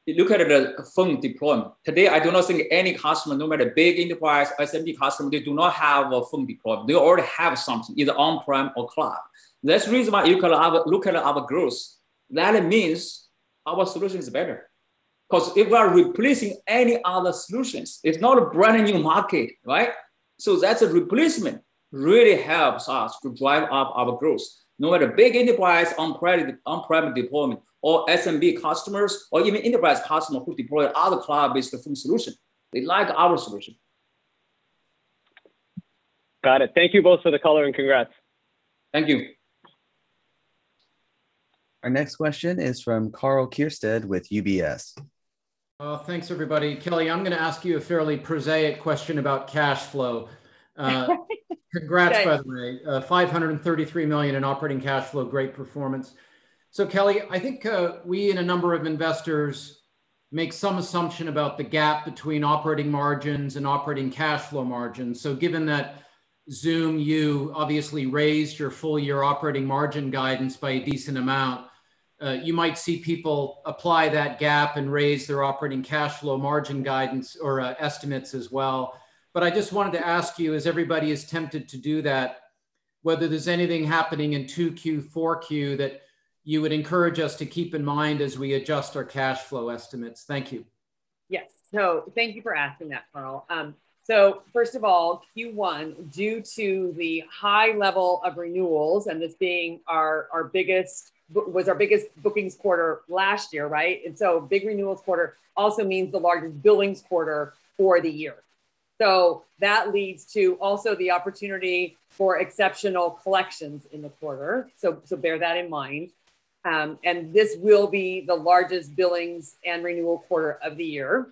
You look at it as a phone deployment. Today, I don't think any customer, no matter big enterprise, SMB customer, they do not have a phone deployment. They already have something, either on-prem or cloud. That's the reason why you can look at our growth. That means our solution is better, because if we are replacing any other solutions, it's not a brand new market, right? That replacement really helps us to drive up our growth. No matter big enterprise on-prem deployment or SMB customers or even enterprise customer who deploy other cloud-based phone solution, they like our solution. Got it. Thank you both for the color, and congrats. Thank you. Our next question is from Karl Keirstead with UBS. Thanks, everybody. Kelly, I'm going to ask you a fairly prosaic question about cash flow. Thanks. Congrats, by the way. $533 million in operating cash flow, great performance. Kelly, I think we and a number of investors make some assumption about the gap between operating margins and operating cash flow margins. Given that Zoom, you obviously raised your full year operating margin guidance by a decent amount, you might see people apply that gap and raise their operating cash flow margin guidance or estimates as well. I just wanted to ask you, as everybody is tempted to do that, whether there's anything happening in 2Q, 4Q that you would encourage us to keep in mind as we adjust our cash flow estimates. Thank you. Yes. Thank you for asking that, Karl. First of all, Q1, due to the high level of renewals and it being our biggest bookings quarter last year, right? A big renewal quarter also means the largest billings quarter for the year. That leads to also the opportunity for exceptional collections in the quarter. Bear that in mind. This will be the largest billings and renewal quarter of the year,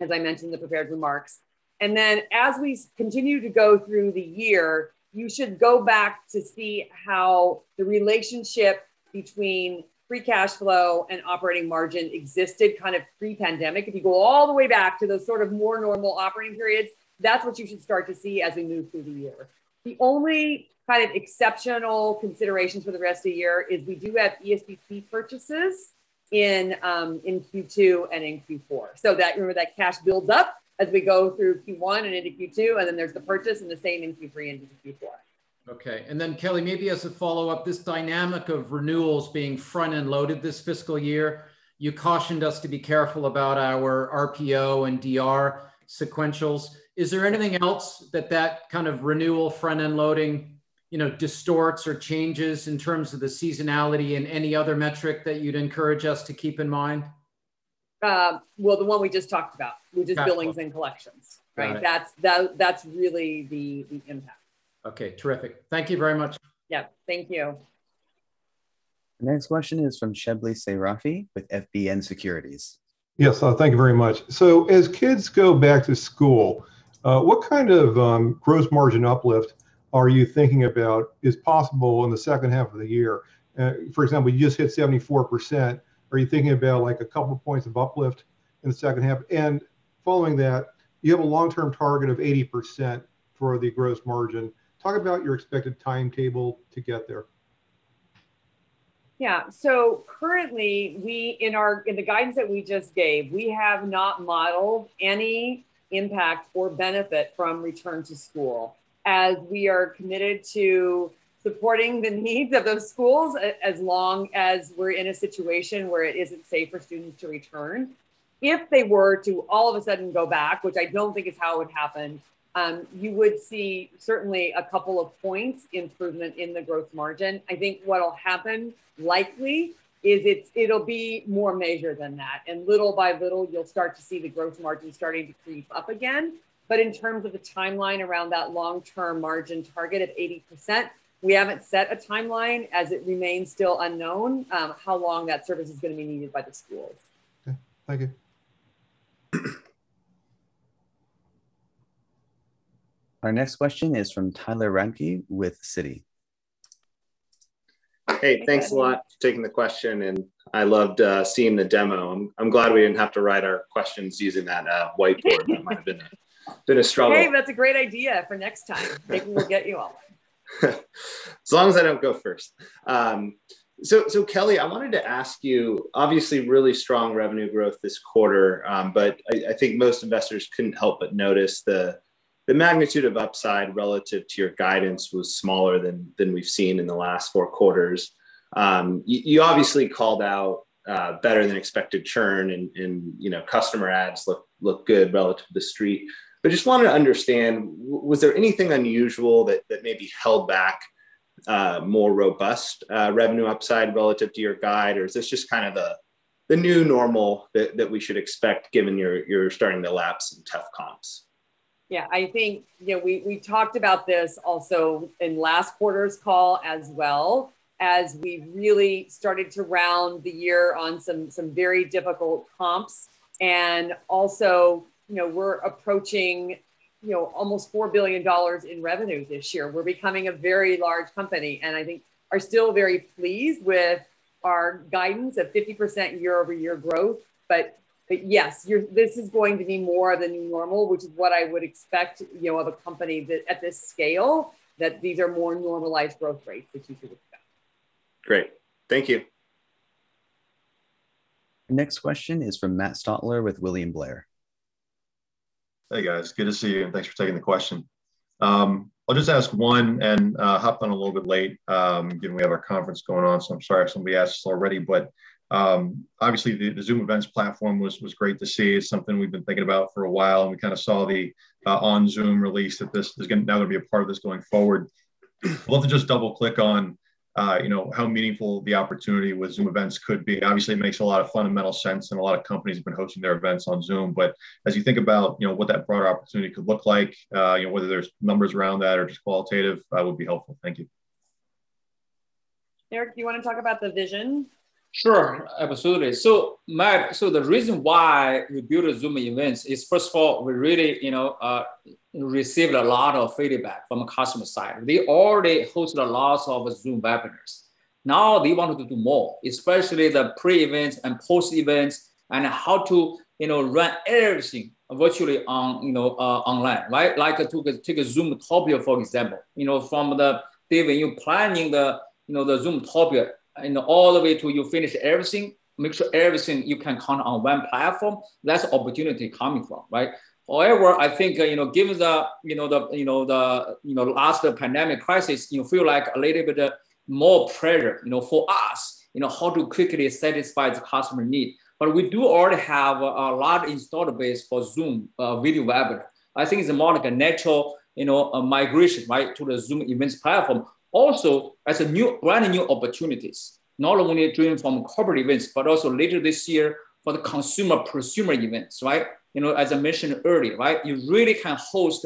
as I mentioned in the prepared remarks. Then as we continue to go through the year, you should go back to see how the relationship between free cash flow and operating margin existed pre-pandemic. If you go all the way back to the more normal operating periods, that's what you should start to see as we move through the year. The only kind of exceptional consideration for the rest of the year is we do have ESPP purchases in Q2 and in Q4. Remember that cash builds up as we go through Q1 and into Q2, and then there's the purchase and the same in Q3 and Q4. Okay. Kelly, maybe as a follow-up, this dynamic of renewals being front-end loaded this fiscal year, you cautioned us to be careful about our RPO and DR sequentials. Is there anything else that that kind of renewal front-end loading distorts or changes in terms of the seasonality in any other metric that you'd encourage us to keep in mind? Well, the one we just talked about, which is billings and collections. Got it. Thanks. That's really the impact. Okay. Terrific. Thank you very much. Yeah. Thank you. The next question is from Shebly Seyrafi with FBN Securities. Yes. Thank you very much. As kids go back to school, what kind of gross margin uplift are you thinking about is possible in the second half of the year? For example, you just hit 74%. Are you thinking about a couple points of uplift in the second half? Following that, you have a long-term target of 80% for the gross margin. Talk about your expected timetable to get there. Currently, in the guidance that we just gave, we have not modeled any impact or benefit from return to school, as we are committed to supporting the needs of those schools as long as we're in a situation where it isn't safe for students to return. If they were to all of a sudden go back, which I don't think is how it would happen, you would see certainly a couple of points improvement in the gross margin. I think what will happen likely is it'll be more measured than that, and little by little, you'll start to see the gross margin starting to creep up again. In terms of the timeline around that long-term margin target of 80%, we haven't set a timeline as it remains still unknown how long that service is going to be needed by the schools. Okay. Thank you. Our next question is from Tyler Radke with Citi. Hey, thanks a lot for taking the question, and I loved seeing the demo. I'm glad we didn't have to write our questions using that whiteboard. That might have been a struggle. Hey, that's a great idea for next time. Maybe we'll get you all. As long as I don't go first. Kelly, I wanted to ask you, obviously really strong revenue growth this quarter, but I think most investors couldn't help but notice the magnitude of upside relative to your guidance was smaller than we've seen in the last four quarters. You obviously called out better than expected churn and customer adds look good relative to the Street. Just wanted to understand, was there anything unusual that maybe held back more robust revenue upside relative to your guide, or is this just kind of the new normal that we should expect given you're starting to lap some tough comps? Yeah, I think we talked about this also in last quarter's call as well, as we really started to round the year on some very difficult comps. Also, we're approaching almost $4 billion in revenue this year. We're becoming a very large company. I think are still very pleased with our guidance of 50% year-over-year growth. Yes, this is going to be more the new normal, which is what I would expect with a company at this scale, that these are more normalized growth rates that you should expect. Great. Thank you. Next question is from Matt Stotler with William Blair. Hey, guys. Good to see you. Thanks for taking the question. I'll just ask one. Hopped on a little bit late. Again, we have our conference going on. I'm sorry if somebody asked this already. Obviously the Zoom Events platform was great to see. It's something we've been thinking about for a while. We kind of saw the OnZoom release that that would be a part of this going forward. Love to just double click on how meaningful the opportunity with Zoom Events could be. Obviously, it makes a lot of fundamental sense. A lot of companies have been hosting their events on Zoom. As you think about what that broader opportunity could look like, whether there's numbers around that or just qualitative, that would be helpful. Thank you. Eric, do you want to talk about the vision? Sure, absolutely. Matt, the reason why we built Zoom Events is, first of all, we really received a lot of feedback from the customer side. We already hosted a lot of Zoom Webinars. We wanted to do more, especially the pre-events and post-events, and how to run everything virtually online, right? Like take a Zoomtopia, for example. From the day when you're planning the Zoomtopia and all the way till you finish everything, make sure everything you can count on one platform, that's the opportunity coming from. Right? I think given the last pandemic crisis, you feel like a little bit more pressure for us, how to quickly satisfy the customer need. We do already have a large installed base for Zoom Video Webinar. I think it's more like a natural migration to the Zoom Events platform. As brand new opportunities, not only doing from corporate events, but also later this year for the consumer pursuing events, right? As I mentioned earlier, you really can host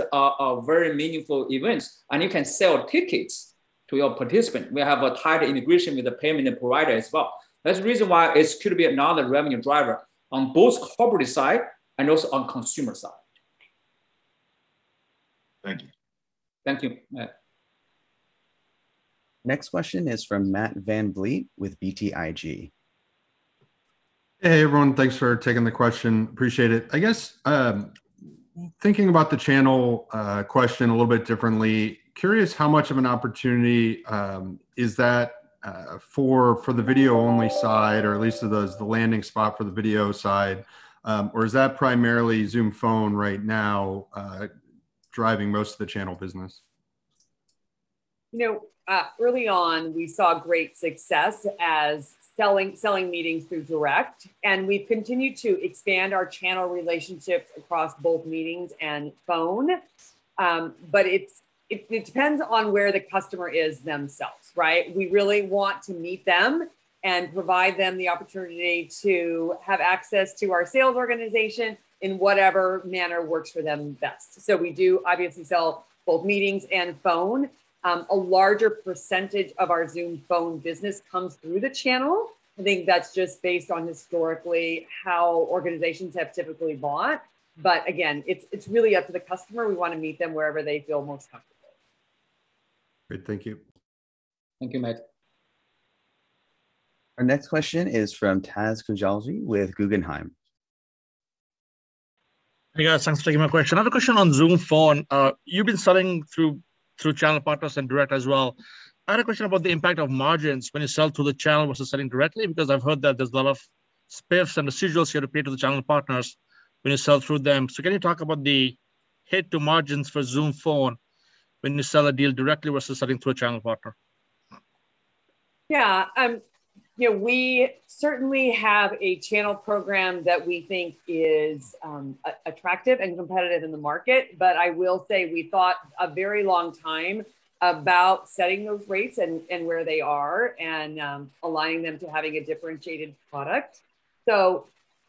very meaningful events, and you can sell tickets to your participant. We have a tight integration with the payment provider as well. That's the reason why this could be another revenue driver on both corporate side and also on consumer side. Thank you. Thank you, Matt. Next question is from Matt VanVliet with BTIG. Hey, everyone. Thanks for taking the question. Appreciate it. I guess, thinking about the channel question a little bit differently, curious how much of an opportunity is that for the video only side, or at least the landing spot for the video side? Is that primarily Zoom Phone right now driving most of the channel business? Early on, we saw great success as selling meetings through direct, and we've continued to expand our channel relationships across both meetings and Zoom Phone. It depends on where the customer is themselves, right? We really want to meet them and provide them the opportunity to have access to our sales organization in whatever manner works for them best. We do obviously sell both meetings and Zoom Phone. A larger percentage of our Zoom Phone business comes through the channel. I think that's just based on historically how organizations have typically bought. Again, it's really up to the customer. We want to meet them wherever they feel most comfortable. Great. Thank you. Thank you, Matt. Our next question is from Taz Koujalgi with Guggenheim. Hey, guys. Thanks for taking my question. I have a question on Zoom Phone. You've been selling through channel partners and direct as well. I had a question about the impact of margins when you sell through the channel versus selling directly, because I've heard that there's a lot of spiffs and residuals you pay to the channel partners when you sell through them. Can you talk about the hit to margins for Zoom Phone when you sell a deal directly versus selling through a channel partner? Yeah. We certainly have a channel program that we think is attractive and competitive in the market. I will say we thought a very long time about setting those rates and where they are and aligning them to having a differentiated product.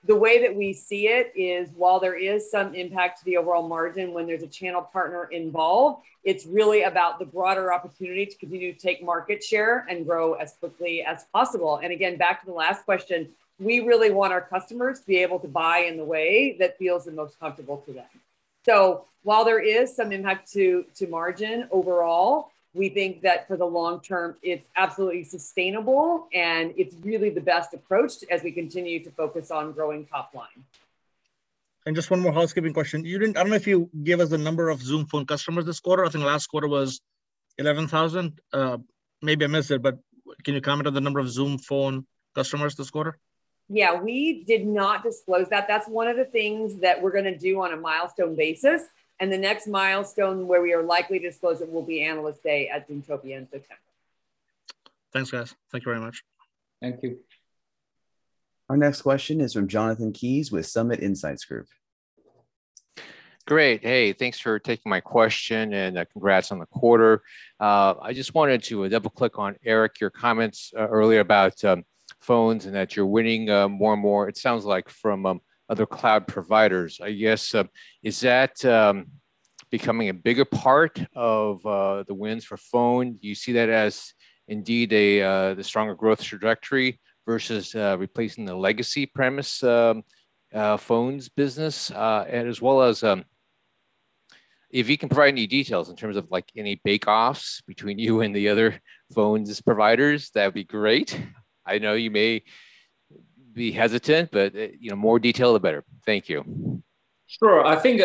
The way that we see it is, while there is some impact to the overall margin when there's a channel partner involved, it's really about the broader opportunity to continue to take market share and grow as quickly as possible. Again, back to the last question, we really want our customers to be able to buy in the way that feels the most comfortable to them. While there is some impact to margin overall, we think that for the long term, it's absolutely sustainable, and it's really the best approach as we continue to focus on growing top line. Just one more housekeeping question. I don't know if you gave us a number of Zoom Phone customers this quarter. I think last quarter was 11,000. Maybe I missed it, can you comment on the number of Zoom Phone customers this quarter? Yeah, we did not disclose that. That's one of the things that we're going to do on a milestone basis, and the next milestone where we are likely to disclose it will be Analyst Day at Zoomtopia in September. Thanks, guys. Thank you very much. Thank you. Our next question is from Jonathan Kees with Summit Insights Group. Great. Hey, thanks for taking my question, and congrats on the quarter. I just wanted to double click on, Eric, your comments earlier about phones and that you're winning more and more, it sounds like from other cloud providers. I guess, is that becoming a bigger part of the wins for phone? Do you see that as indeed a stronger growth trajectory versus replacing the legacy premise phones business? As well as if you can provide any details in terms of any pay-offs between you and the other phones providers, that'd be great. Be hesitant, but more detail, the better. Thank you. Sure. I think,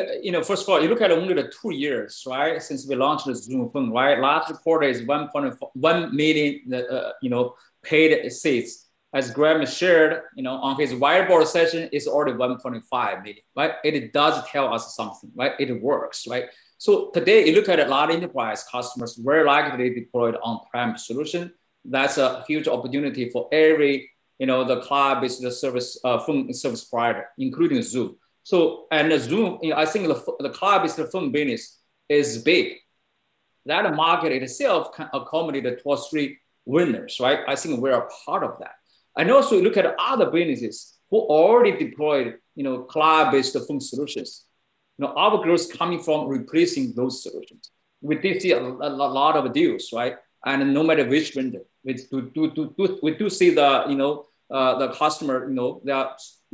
first of all, you look at only the two years, right, since we launched the Zoom Phone, right? Last quarter is $1 million paid seats. As Graeme shared on his whiteboard session, it's already 1.5 million, right? It does tell us something, right? It works. Today, you look at a lot of enterprise customers, very likely they deployed on-prem solution. That's a huge opportunity for every cloud-based phone service provider, including Zoom. Zoom, I think the cloud-based phone business is big. That market itself can accommodate two or three winners, right? I think we're a part of that. Also, you look at other businesses who already deployed cloud-based phone solutions. Our growth's coming from replacing those solutions. We did see a lot of deals, right? No matter which vendor, we do see the customer, their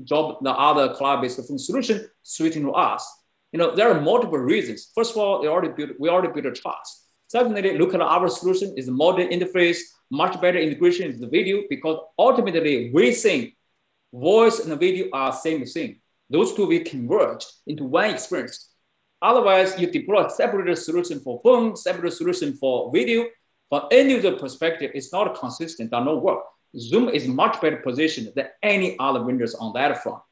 job, the other cloud-based phone solution switching to us. There are multiple reasons. First of all, we already built trust. Look at our solution, it's a modern interface, much better integration with video, because ultimately we think voice and video are the same thing. Those two will converge into one experience. You deploy a separate solution for phone, separate solution for video. From end user perspective, it's not consistent, that no work. Zoom is much better positioned than any other vendors on that front.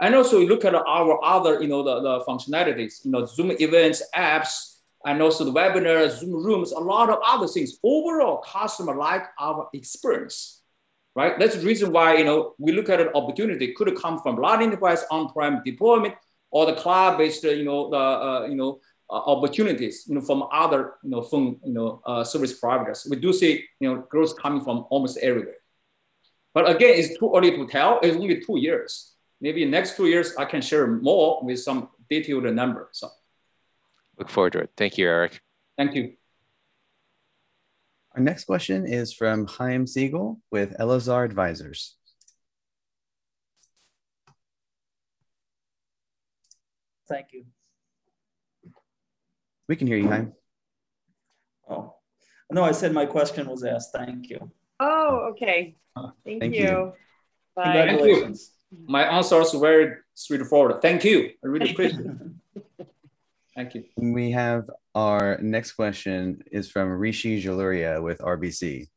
Also, you look at our other functionalities, Zoom Events, Zoom Apps, and also the Zoom Webinars, Zoom Rooms, a lot of other things. Overall, customer like our experience, right? That's the reason why we look at an opportunity. It could have come from large enterprise, on-prem deployment, or the cloud-based opportunities from other phone service providers. We do see growth coming from almost everywhere. Again, it's too early to tell. It's only two years. Maybe next two years, I can share more with some detailed numbers. Look forward to it. Thank you, Eric. Thank you. Our next question is from Chaim Siegel with Elazar Advisors. Thank you. We can hear you, Chaim. Oh. No, I said my question was asked. Thank you. Oh, okay. Thank you. Thank you. Bye. Thank you. My answer is very straightforward. Thank you. I really appreciate it. Thank you. We have our next question is from Rishi Jaluria with RBC.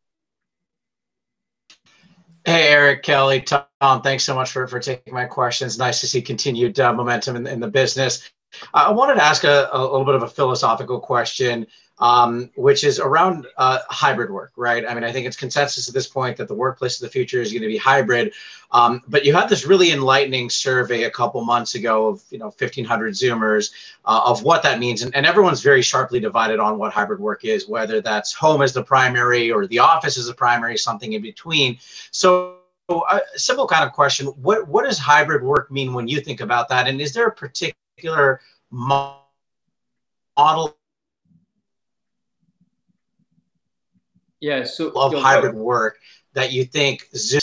Hey, Eric, Kelly, Tom, thanks so much for taking my questions. Nice to see continued momentum in the business. I wanted to ask a little bit of a philosophical question, which is around hybrid work, right? I think it's consensus at this point that the workplace of the future is going to be hybrid. You had this really enlightening survey a couple months ago of 1,500 Zoomers of what that means, and everyone's very sharply divided on what hybrid work is, whether that's home as the primary or the office as the primary, something in between. A simple question, what does hybrid work mean when you think about that, and is there a particular model- Yeah, so. Of hybrid work that you think Zoom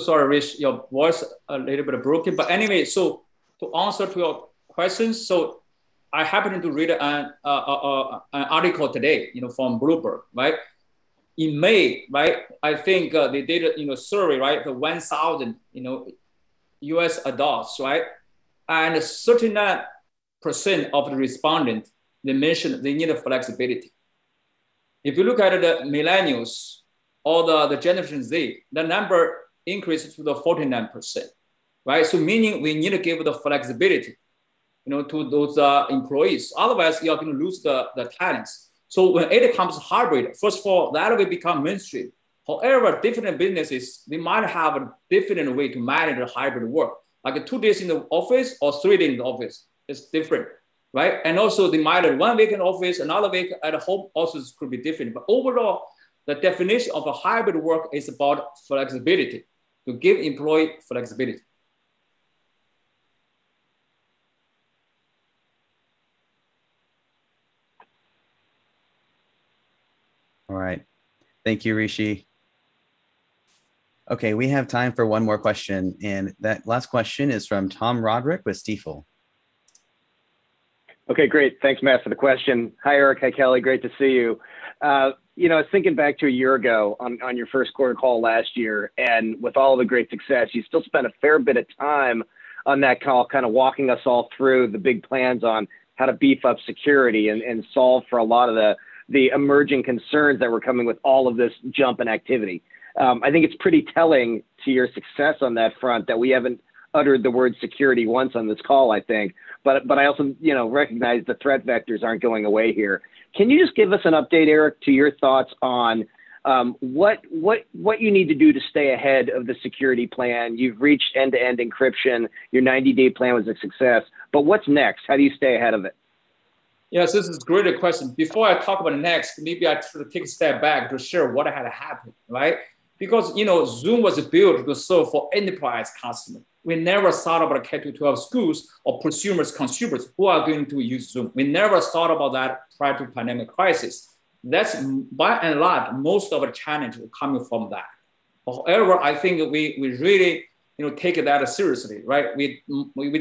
Sorry, Rishi, your voice a little bit broken. To answer your questions, I happened to read an article today from Bloomberg. In May, they did a survey of 1,000 U.S. adults. 39% of the respondents, they mentioned they need flexibility. If you look at the millennials or the Generation Z, the number increases to the 49%. Meaning we need to give the flexibility to those employees. Otherwise, we are going to lose the talents. When it comes to hybrid, first of all, that will become mainstream. However, different businesses, they might have a different way to manage the hybrid work. Like two days in the office or three days in the office, it's different. They might one week in office, another week at home, also could be different. Overall, the definition of a hybrid work is about flexibility, to give employee flexibility. All right. Thank you, Rishi. Okay, we have time for one more question, and that last question is from Tom Roderick with Stifel. Okay, great. Thanks, Matt, for the question. Hi, Eric. Hi, Kelly. Great to see you. I was thinking back to a year ago on your first quarter call last year, and with all the great success, you still spent a fair bit of time on that call walking us all through the big plans on how to beef up security and solve for a lot of the emerging concerns that were coming with all of this jump in activity. I think it's pretty telling to your success on that front that we haven't uttered the word security once on this call, I think. I also recognize the threat vectors aren't going away here. Can you just give us an update, Eric, to your thoughts on what you need to do to stay ahead of the security plan? You've reached end-to-end encryption. Your 90-day plan was a success. What's next? How do you stay ahead of it? Yes, this is a great question. Before I talk about next, maybe I take a step back to share what had happened, right? Zoom was built to serve for enterprise customer. We never thought about K-12 schools or prosumers, consumers who are going to use Zoom. We never thought about that prior to pandemic crisis. That's by and large, most of our challenge coming from that. However, I think we really take that seriously, right? We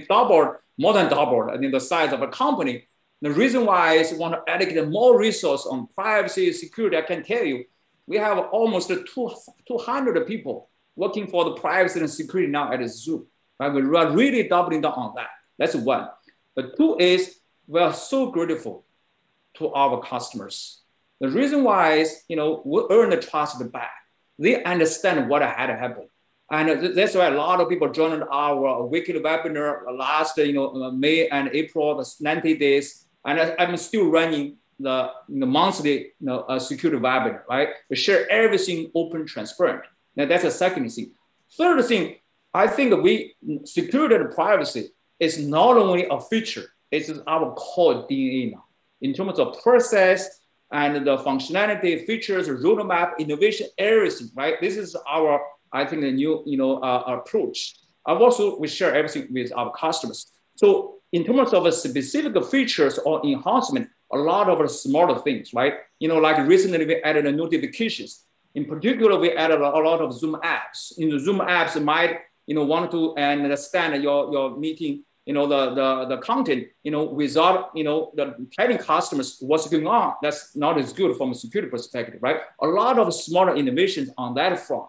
doubled, more than doubled, I think, the size of a company. The reason why is we want to allocate more resources on privacy and security. I can tell you, we have almost 200 people working for the privacy and security now at Zoom. We're really doubling down on that. That's one. The two is, we are so grateful to our customers. The reason why is, we earn the trust back. They understand what had happened. That's why a lot of people joined our weekly webinar last May and April, the 90 days, and I'm still running the monthly security webinar. We share everything open, transparent. Now, that's the second thing. Third thing, I think security and privacy is not only a feature, it's in our core DNA now. In terms of process and the functionality, features, roadmap, innovation, everything. This is our, I think, new approach. Also, we share everything with our customers. In terms of specific features or enhancement, a lot of smaller things. Like recently, we added new notifications. In particular, we added a lot of Zoom Apps. Zoom Apps might want to understand your meeting, the content without telling customers what's going on. That's not as good from a security perspective, right? A lot of smaller innovations on that front.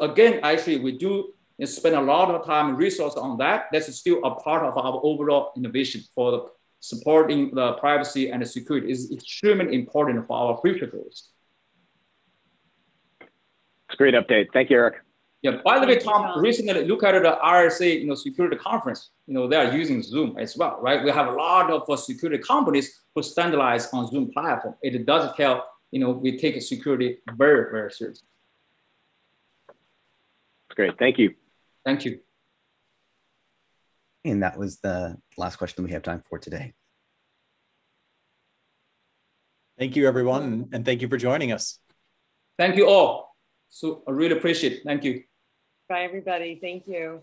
Again, I say we do spend a lot of time and resource on that. That is still a part of our overall innovation for supporting privacy and security. It's extremely important for our future growth. Great update. Thank you, Eric. By the way, Tom, recently I looked at the RSA security conference. They are using Zoom as well. We have a lot of security companies who standardize on Zoom platform. It does tell we take security very serious. Great. Thank you. Thank you. That was the last question we have time for today. Thank you, everyone, and thank you for joining us. Thank you all. I really appreciate it. Thank you. Bye, everybody. Thank you